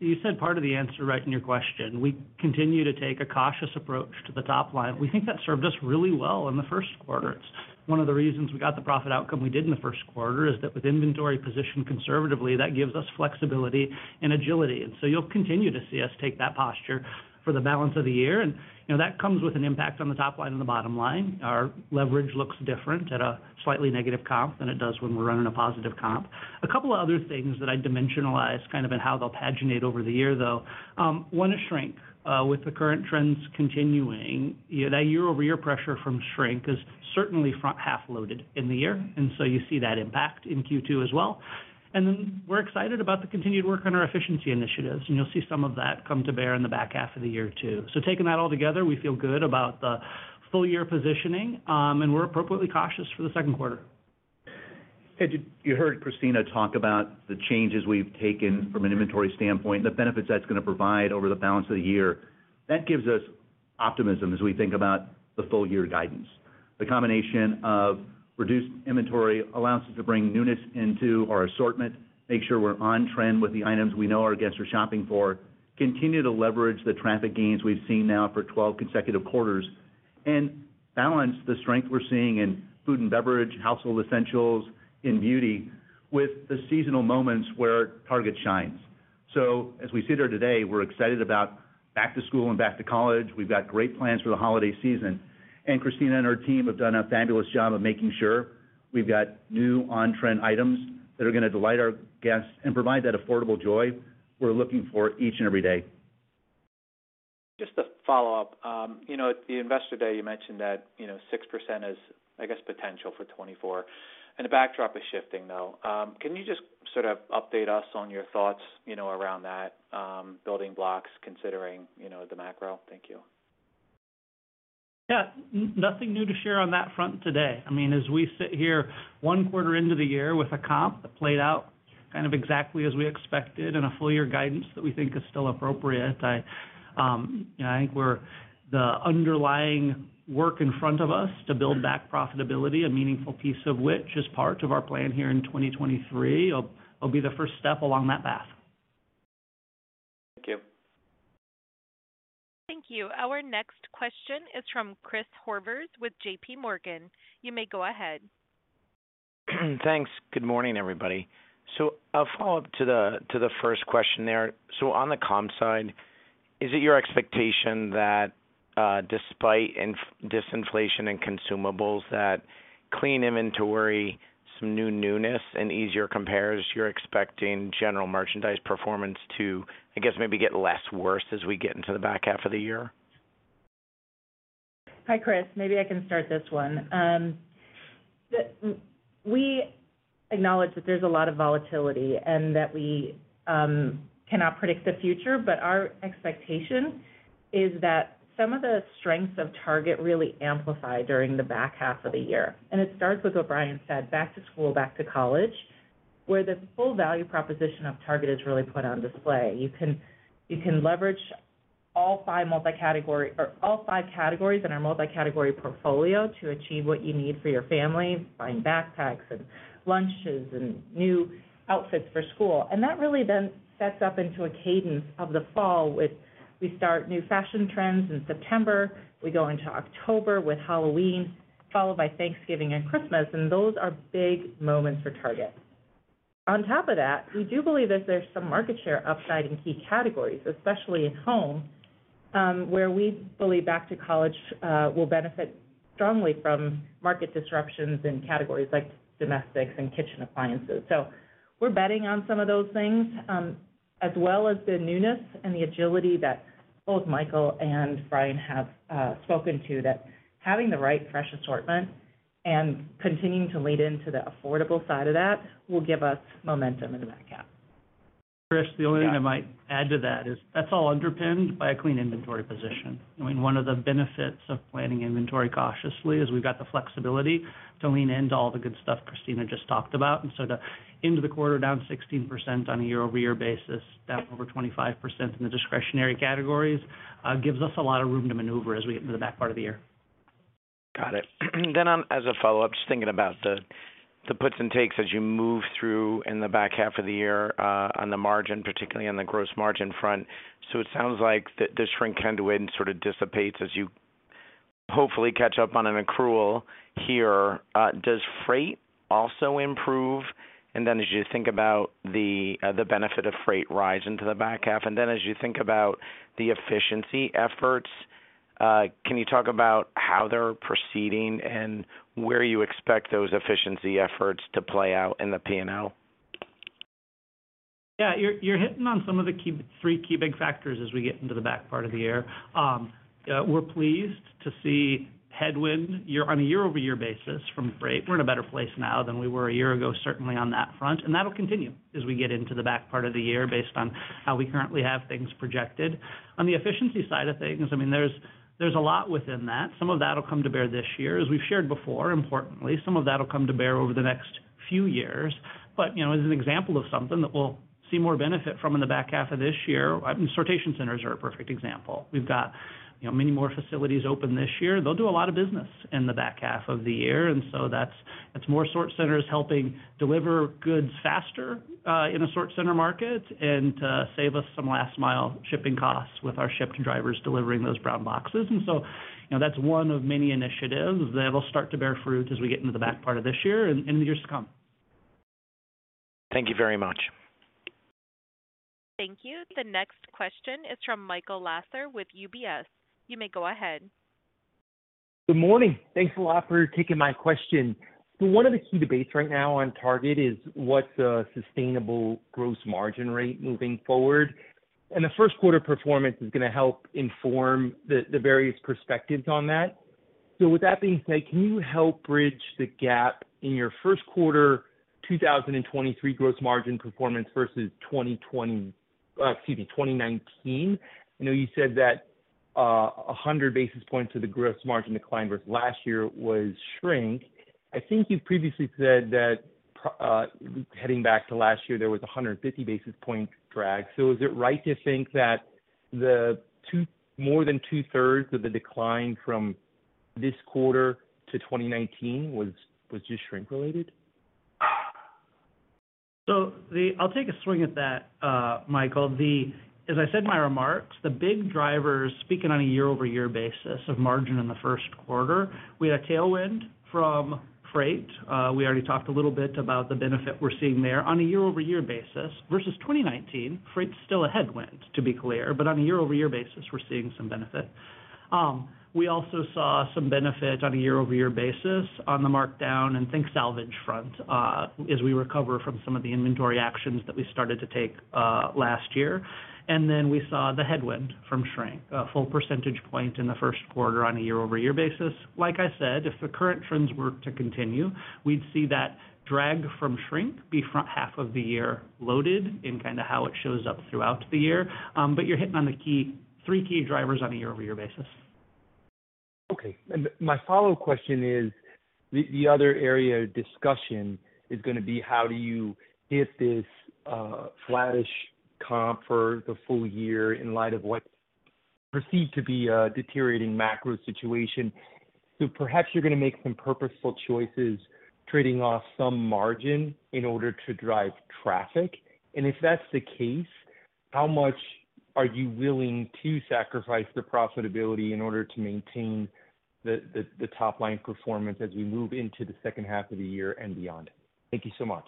Speaker 6: You said part of the answer right in your question. We continue to take a cautious approach to the top line. We think that served us really well in the first quarter. It's one of the reasons we got the profit outcome we did in the first quarter is that with inventory positioned conservatively, that gives us flexibility and agility. You'll continue to see us take that posture for the balance of the year. That comes with an impact on the top line and the bottom line. Our leverage looks different at a slightly negative comp than it does when we're running a positive comp. A couple of other things that I'd dimensionalize kind of in how they'll paginate over the year, though. One is shrink. With the current trends continuing, that year-over-year pressure from shrink is certainly half-loaded in the year. You see that impact in Q2 as well. We're excited about the continued work on our efficiency initiatives. You'll see some of that come to bear in the back half of the year too. Taking that all together, we feel good about the full-year positioning, and we're appropriately cautious for the second quarter.
Speaker 2: Ed, you heard Christina talk about the changes we've taken from an inventory standpoint and the benefits that's going to provide over the balance of the year. That gives us optimism as we think about the full-year guidance. The combination of reduced inventory allows us to bring newness into our assortment, make sure we're on trend with the items we know our guests are shopping for, continue to leverage the traffic gains we've seen now for 12 consecutive quarters, and balance the strength we're seeing in food and beverage, household essentials, in beauty with the seasonal moments where Target shines. As we sit here today, we're excited about back to school and back to college. We've got great plans for the holiday season. Christina and her team have done a fabulous job of making sure we've got new on-trend items that are going to delight our guests and provide that affordable joy we're looking for each and every day.
Speaker 7: Just to follow up, at the investor day, you mentioned that 6% is, I guess, potential for 2024. The backdrop is shifting, though. Can you just sort of update us on your thoughts around that, building blocks considering the macro? Thank you.
Speaker 2: Yeah. Nothing new to share on that front today. I mean, as we sit here, one quarter into the year with a comp that played out kind of exactly as we expected and a full-year guidance that we think is still appropriate, I think the underlying work in front of us to build back profitability, a meaningful piece of which is part of our plan here in 2023, will be the first step along that path.
Speaker 7: Thank you.
Speaker 1: Thank you. Our next question is from Chris Horvers with J.P. Morgan. You may go ahead.
Speaker 8: Thanks. Good morning, everybody. A follow-up to the first question there. On the comp side, is it your expectation that despite disinflation in consumables, that clean inventory, some new newness, and easier compares, you're expecting general merchandise performance to, I guess, maybe get less worse as we get into the back half of the year?
Speaker 4: Hi, Chris. Maybe I can start this one. We acknowledge that there's a lot of volatility and that we cannot predict the future. Our expectation is that some of the strengths of Target really amplify during the back half of the year. It starts with what Brian said, back to school, back to college, where the full value proposition of Target is really put on display. You can leverage all five multi-category or all five categories in our multi-category portfolio to achieve what you need for your family, buying backpacks and lunches and new outfits for school. That really sets up into a cadence of the fall with we start new fashion trends in September. We go into October with Halloween, followed by Thanksgiving and Christmas. Those are big moments for Target. On top of that, we do believe that there's some market share upside in key categories, especially at home, where we believe back to college will benefit strongly from market disruptions in categories like domestics and kitchen appliances. We're betting on some of those things as well as the newness and the agility that both Michael and Brian have spoken to, that having the right fresh assortment and continuing to lead into the affordable side of that will give us momentum in the back half.
Speaker 2: Chris, the only thing I might add to that is that's all underpinned by a clean inventory position. I mean, one of the benefits of planning inventory cautiously is we've got the flexibility to lean into all the good stuff Christina just talked about. To end the quarter down 16% on a YoY basis, down over 25% in the discretionary categories, gives us a lot of room to maneuver as we get into the back part of the year.
Speaker 8: Got it. As a follow-up, just thinking about the puts and takes as you move through in the back half of the year on the margin, particularly on the gross margin front. It sounds like the shrink tend to wind sort of dissipates as you hopefully catch up on an accrual here. Does freight also improve? As you think about the benefit of freight rise into the back half? As you think about the efficiency efforts, can you talk about how they're proceeding and where you expect those efficiency efforts to play out in the P&L?
Speaker 2: Yeah. You're hitting on some of the three key big factors as we get into the back part of the year. We're pleased to see headwind on a year-over-year basis from freight. We're in a better place now than we were a year ago, certainly on that front. That'll continue as we get into the back part of the year based on how we currently have things projected. On the efficiency side of things, I mean, there's a lot within that. Some of that'll come to bear this year, as we've shared before, importantly. Some of that'll come to bear over the next few years. As an example of something that we'll see more benefit from in the back half of this year, sortation centers are a perfect example. We've got many more facilities open this year. They'll do a lot of business in the back half of the year. That's more sort centers helping deliver goods faster in a sort center market and to save us some last-mile shipping costs with our Shipt drivers delivering those brown boxes. That's one of many initiatives that'll start to bear fruit as we get into the back part of this year and in the years to come.
Speaker 8: Thank you very much.
Speaker 1: Thank you. The next question is from Michael Lasser with UBS. You may go ahead.
Speaker 9: Good morning. Thanks a lot for taking my question. One of the key debates right now on Target is what's a sustainable gross margin rate moving forward. The first quarter performance is going to help inform the various perspectives on that. With that being said, can you help bridge the gap in your first quarter, 2023 gross margin performance versus 2020, excuse me, 2019? I know you said that 100 basis points of the gross margin decline versus last year was shrink. I think you've previously said that heading back to last year, there was a 150 basis point drag. Is it right to think that more than two-thirds of the decline from this quarter to 2019 was just shrink-related?
Speaker 2: I'll take a swing at that, Michael. As I said in my remarks, the big drivers speaking on a year-over-year basis of margin in the first quarter, we had a tailwind from freight. We already talked a little bit about the benefit we're seeing there on a year-over-year basis versus 2019. Freight's still a headwind, to be clear. On a year-over-year basis, we're seeing some benefit. We also saw some benefit on a year-over-year basis on the markdown and think salvage front as we recover from some of the inventory actions that we started to take last year. We saw the headwind from shrink, a full percentage point in the first quarter on a year-over-year basis. Like I said, if the current trends were to continue, we'd see that drag from shrink be front half of the year loaded in kind of how it shows up throughout the year. You're hitting on the three key drivers on a year-over-year basis.
Speaker 9: Okay. My follow-up question is the other area of discussion is going to be how do you hit this flat-ish comp for the full year in light of what perceived to be a deteriorating macro situation? Perhaps you're going to make some purposeful choices trading off some margin in order to drive traffic. If that's the case, how much are you willing to sacrifice the profitability in order to maintain the top line performance as we move into the second half of the year and beyond? Thank you so much.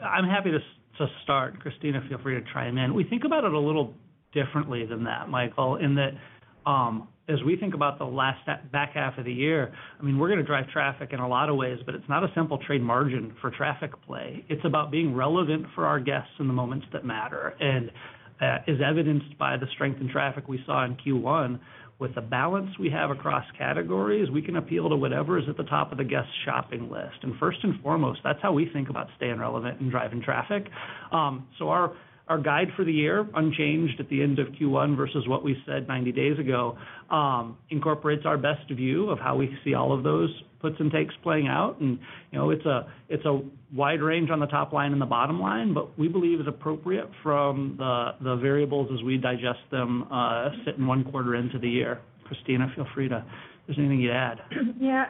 Speaker 2: I'm happy to start. Christina, feel free to try him in. We think about it a little differently than that, Michael, in that as we think about the back half of the year, I mean, we're going to drive traffic in a lot of ways, but it's not a simple trade margin for traffic play. It's about being relevant for our guests in the moments that matter. As evidenced by the strength in traffic we saw in Q1, with the balance we have across categories, we can appeal to whatever is at the top of the guest's shopping list. First and foremost, that's how we think about staying relevant and driving traffic. Our guide for the year, unchanged at the end of Q1 versus what we said 90 days ago, incorporates our best view of how we see all of those puts and takes playing out. It's a wide range on the top line and the bottom line, but we believe it's appropriate from the variables as we digest them sit in one quarter into the year. Christina, feel free to if there's anything you'd add.
Speaker 4: Yeah.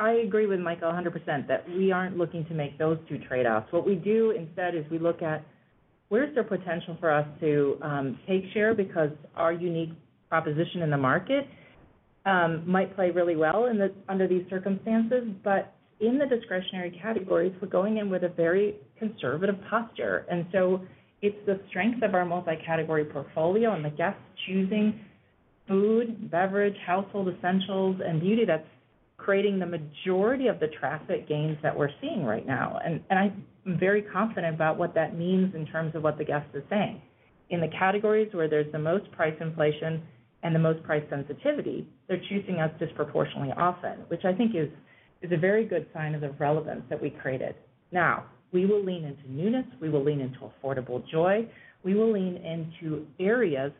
Speaker 4: I agree with Michael 100% that we aren't looking to make those two trade-offs. What we do instead is we look at where's there potential for us to take share because our unique proposition in the market might play really well under these circumstances. In the discretionary categories, we're going in with a very conservative posture. It's the strength of our multi-category portfolio and the guests choosing food, beverage, household essentials, and beauty that's creating the majority of the traffic gains that we're seeing right now. I'm very confident about what that means in terms of what the guest is saying. In the categories where there's the most price inflation and the most price sensitivity, they're choosing us disproportionately often, which I think is a very good sign of the relevance that we created. Now, we will lean into newness. We will lean into affordable joy. We will lean into areas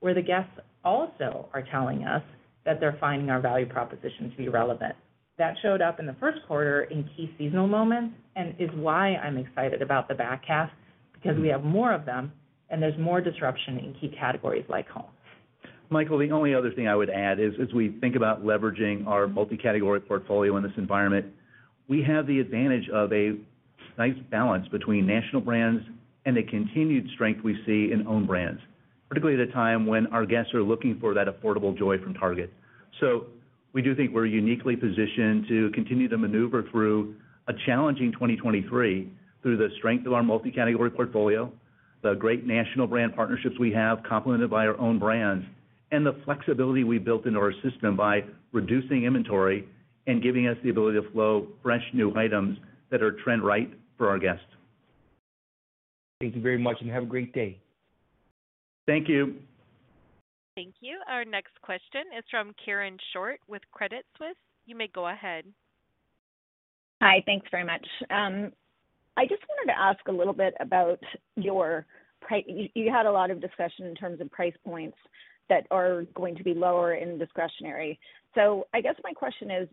Speaker 4: where the guests also are telling us that they're finding our value proposition to be relevant. That showed up in the first quarter in key seasonal moments and is why I'm excited about the back half because we have more of them and there's more disruption in key categories like home. Michael, the only other thing I would add is as we think about leveraging our multi-category portfolio in this environment, we have the advantage of a nice balance between national brands and the continued strength we see in own brands, particularly at a time when our guests are looking for that affordable joy from Target. We do think we're uniquely positioned to continue to maneuver through a challenging 2023 through the strength of our multi-category portfolio, the great national brand partnerships we have complemented by our own brands, and the flexibility we built into our system by reducing inventory and giving us the ability to flow fresh new items that are trend right for our guests.
Speaker 9: Thank you very much, and have a great day.
Speaker 2: Thank you.
Speaker 1: Thank you. Our next question is from Karen Short with Credit Suisse. You may go ahead.
Speaker 10: Hi. Thanks very much. I just wanted to ask a little bit about you had a lot of discussion in terms of price points that are going to be lower in discretionary. I guess my question is,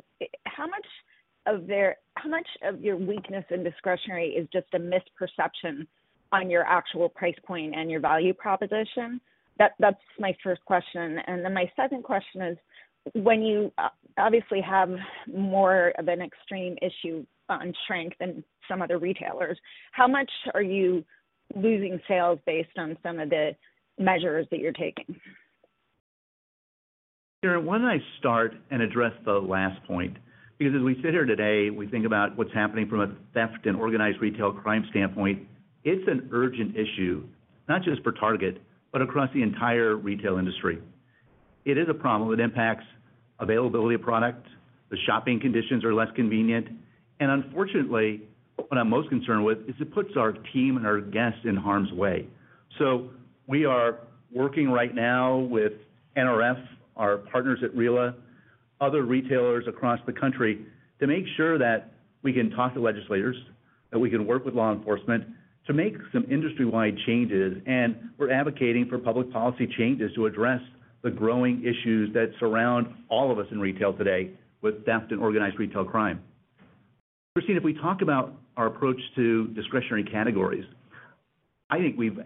Speaker 10: how much of your weakness in discretionary is just a misperception on your actual price point and your value proposition? That's my first question. My second question is, when you obviously have more of an extreme issue on shrink than some other retailers, how much are you losing sales based on some of the measures that you're taking?
Speaker 2: Sure. When I start and address the last point because as we sit here today, we think about what's happening from a theft and organized retail crime standpoint, it's an urgent issue not just for Target but across the entire retail industry. It is a problem. It impacts availability of product. The shopping conditions are less convenient. Unfortunately, what I'm most concerned with is it puts our team and our guests in harm's way. We are working right now with NRF, our partners at RILA, other retailers across the country to make sure that we can talk to legislators, that we can work with law enforcement to make some industry-wide changes. We're advocating for public policy changes to address the growing issues that surround all of us in retail today with theft and organized retail crime. Christina, if we talk about our approach to discretionary categories, I think we've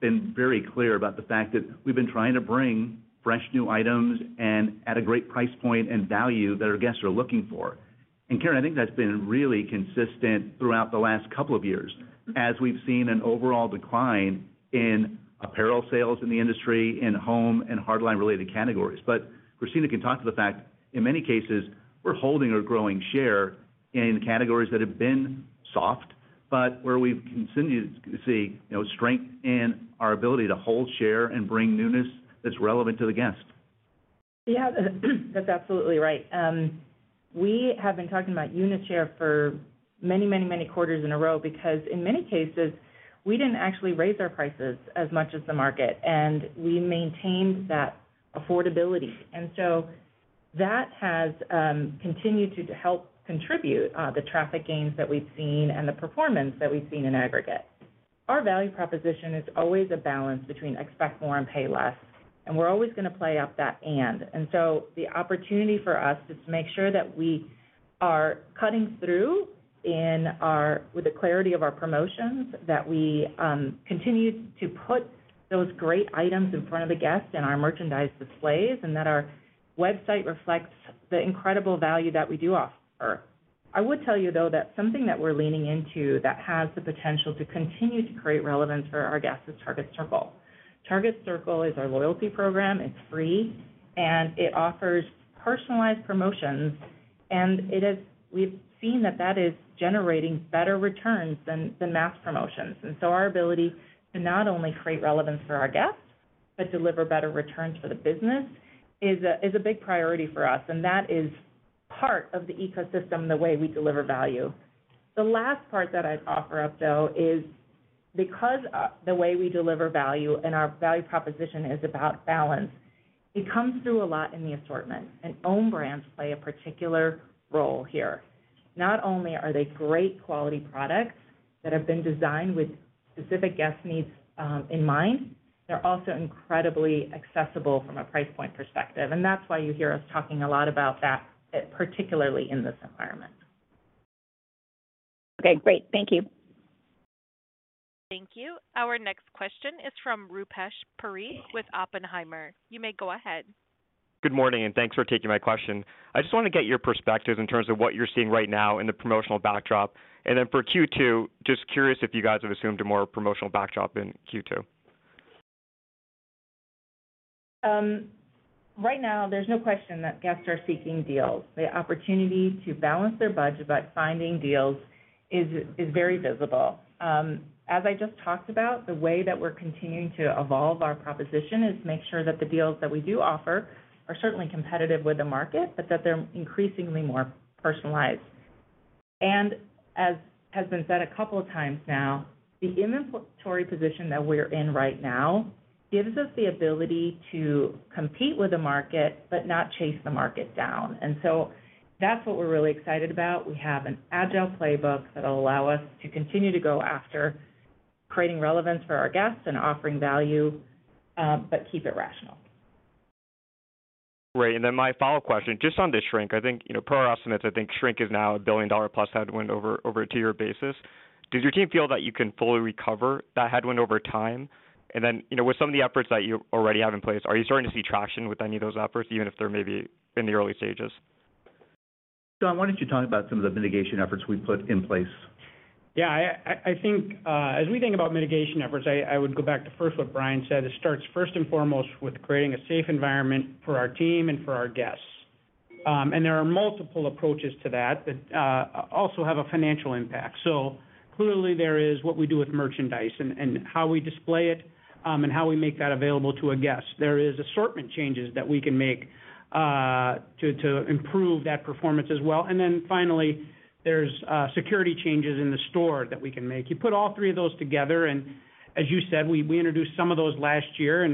Speaker 2: been very clear about the fact that we've been trying to bring fresh new items at a great price point and value that our guests are looking for. Karen, I think that's been really consistent throughout the last couple of years as we've seen an overall decline in apparel sales in the industry, in home, and hardline-related categories. Christina can talk to the fact in many cases, we're holding our growing share in categories that have been soft but where we've continued to see strength in our ability to hold share and bring newness that's relevant to the guest.
Speaker 4: Yeah. That's absolutely right. We have been talking about unit share for many, many, many quarters in a row because in many cases, we didn't actually raise our prices as much as the market. We maintained that affordability. That has continued to help contribute the traffic gains that we've seen and the performance that we've seen in aggregate. Our value proposition is always a balance between expect more and pay less. We're always going to play up that and. The opportunity for us is to make sure that we are cutting through with the clarity of our promotions, that we continue to put those great items in front of the guests in our merchandise displays, and that our website reflects the incredible value that we do offer. I would tell you, though, that something that we're leaning into that has the potential to continue to create relevance for our guests is Target Circle. Target Circle is our loyalty program. It's free. It offers personalized promotions. We've seen that that is generating better returns than mass promotions. Our ability to not only create relevance for our guests but deliver better returns for the business is a big priority for us. That is part of the ecosystem the way we deliver value. The last part that I'd offer up, though, is because the way we deliver value and our value proposition is about balance, it comes through a lot in the assortment. Own brands play a particular role here. Not only are they great quality products that have been designed with specific guest needs in mind, they're also incredibly accessible from a price point perspective. That's why you hear us talking a lot about that, particularly in this environment.
Speaker 10: Okay. Great. Thank you.
Speaker 1: Thank you. Our next question is from Rupesh Parikh with Oppenheimer. You may go ahead.
Speaker 11: Good morning. Thanks for taking my question. I just want to get your perspectives in terms of what you're seeing right now in the promotional backdrop. For Q2, just curious if you guys have assumed a more promotional backdrop in Q2?
Speaker 4: Right now, there's no question that guests are seeking deals. The opportunity to balance their budget by finding deals is very visible. As I just talked about, the way that we're continuing to evolve our proposition is to make sure that the deals that we do offer are certainly competitive with the market, but that they're increasingly more personalized. As has been said a couple of times now, the inventory position that we're in right now gives us the ability to compete with the market but not chase the market down. That's what we're really excited about. We have an agile playbook that'll allow us to continue to go after creating relevance for our guests and offering value but keep it rational.
Speaker 11: Right. My follow-up question, just on this shrink, I think per our estimates, I think shrink is now a billion-dollar-plus headwind over a two-year basis. Does your team feel that you can fully recover that headwind over time? With some of the efforts that you already have in place, are you starting to see traction with any of those efforts, even if they're maybe in the early stages?
Speaker 6: John, why don't you talk about some of the mitigation efforts we put in place?
Speaker 2: Yeah. I think as we think about mitigation efforts, I would go back to first what Brian said. It starts first and foremost with creating a safe environment for our team and for our guests. There are multiple approaches to that that also have a financial impact. Clearly, there is what we do with merchandise and how we display it and how we make that available to a guest. There are assortment changes that we can make to improve that performance as well. Finally, there's security changes in the store that we can make. You put all three of those together. As you said, we introduced some of those last year.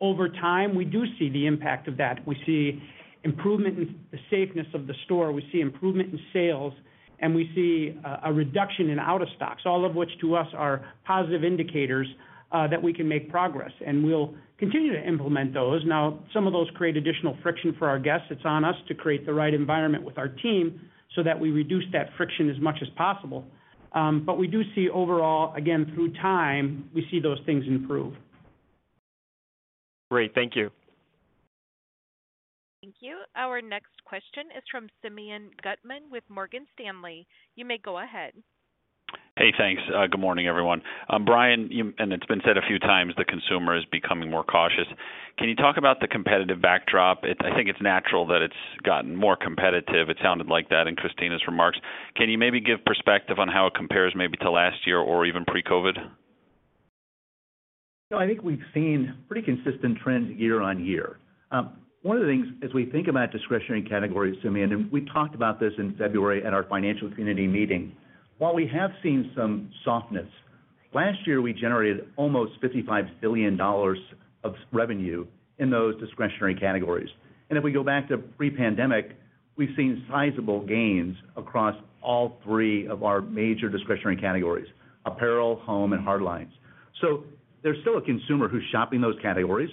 Speaker 2: Over time, we do see the impact of that. We see improvement in the safeness of the store. We see improvement in sales. We see a reduction in out-of-stocks, all of which to us are positive indicators that we can make progress. We'll continue to implement those. Now, some of those create additional friction for our guests. It's on us to create the right environment with our team so that we reduce that friction as much as possible. We do see overall, again, through time, we see those things improve.
Speaker 11: Great. Thank you.
Speaker 1: Thank you. Our next question is from Simeon Gutman with Morgan Stanley. You may go ahead.
Speaker 12: Hey. Thanks. Good morning, everyone. Brian, it's been said a few times, the consumer is becoming more cautious. Can you talk about the competitive backdrop? I think it's natural that it's gotten more competitive. It sounded like that in Christina's remarks. Can you maybe give perspective on how it compares maybe to last year or even pre-COVID?
Speaker 3: I think we've seen pretty consistent trends year on year. One of the things, as we think about discretionary categories, Simeon, and we talked about this in February at our financial community meeting, while we have seen some softness, last year, we generated almost $55 billion of revenue in those discretionary categories. If we go back to pre-pandemic, we've seen sizable gains across all three of our major discretionary categories: apparel, home, and hardlines. There's still a consumer who's shopping those categories.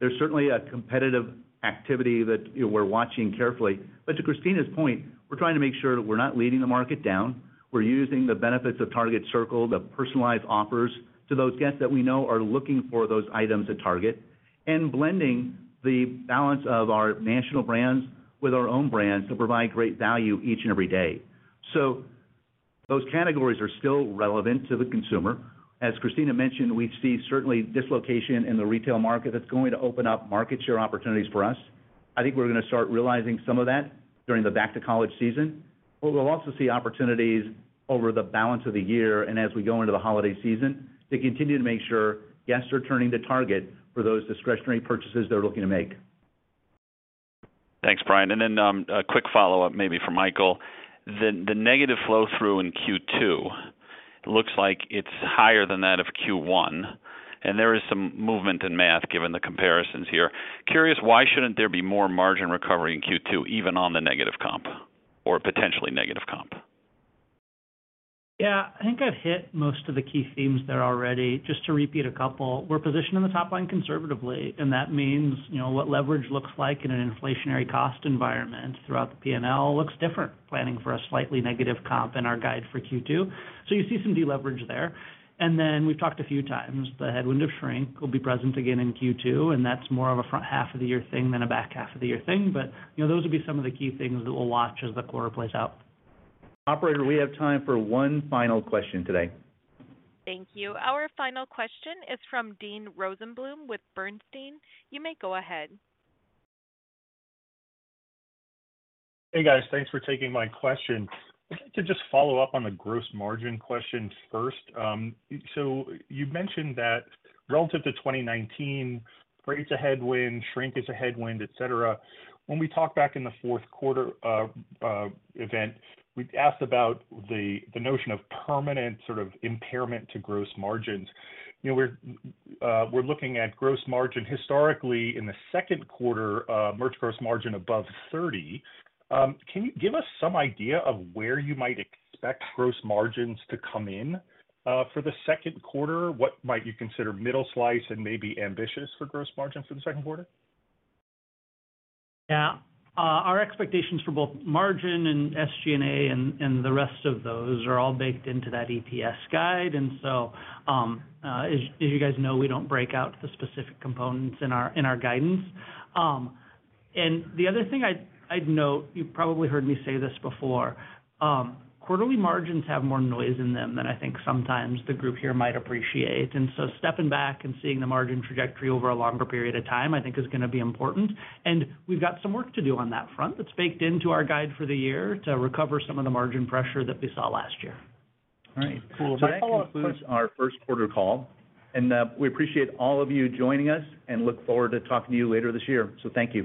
Speaker 3: There's certainly a competitive activity that we're watching carefully. To Christina's point, we're trying to make sure that we're not leading the market down. We're using the benefits of Target Circle, the personalized offers to those guests that we know are looking for those items at Target, and blending the balance of our national brands with our own brands to provide great value each and every day. Those categories are still relevant to the consumer. As Christina mentioned, we see certainly dislocation in the retail market that's going to open up market share opportunities for us. I think we're going to start realizing some of that during the back-to-college season. We'll also see opportunities over the balance of the year and as we go into the holiday season to continue to make sure guests are turning to Target for those discretionary purchases they're looking to make.
Speaker 11: Thanks, Brian. A quick follow-up maybe for Michael. The negative flow-through in Q2 looks like it's higher than that of Q1. There is some movement in math given the comparisons here. Curious, why shouldn't there be more margin recovery in Q2 even on the negative comp or potentially negative comp?
Speaker 6: Yeah. I think I've hit most of the key themes there already. Just to repeat a couple, we're positioned in the top line conservatively. That means what leverage looks like in an inflationary cost environment throughout the P&L looks different planning for a slightly negative comp in our guide for Q2. You see some deleverage there. We've talked a few times. The headwind of shrink will be present again in Q2. That's more of a front half of the year thing than a back half of the year thing. Those will be some of the key things that we'll watch as the quarter plays out.
Speaker 3: Operator, we have time for one final question today.
Speaker 1: Thank you. Our final question is from Dean Rosenblum with Bernstein. You may go ahead.
Speaker 13: Hey, guys. Thanks for taking my question. I'd like to just follow up on the gross margin question first. You mentioned that relative to 2019, rate's a headwind, shrink is a headwind, etc. When we talked back in the fourth quarter event, we asked about the notion of permanent sort of impairment to gross margins. We're looking at gross margin historically in the second quarter, merch gross margin above 30%. Can you give us some idea of where you might expect gross margins to come in for the second quarter? What might you consider middle slice and maybe ambitious for gross margin for the second quarter?
Speaker 2: Yeah. Our expectations for both margin and SG&A and the rest of those are all baked into that EPS guide. As you guys know, we don't break out the specific components in our guidance. The other thing I'd note you've probably heard me say this before. Quarterly margins have more noise in them than I think sometimes the group here might appreciate. Stepping back and seeing the margin trajectory over a longer period of time, I think, is going to be important. We've got some work to do on that front that's baked into our guide for the year to recover some of the margin pressure that we saw last year.
Speaker 3: All right. Cool. Well, that concludes our first quarter call. We appreciate all of you joining us and look forward to talking to you later this year. Thank you.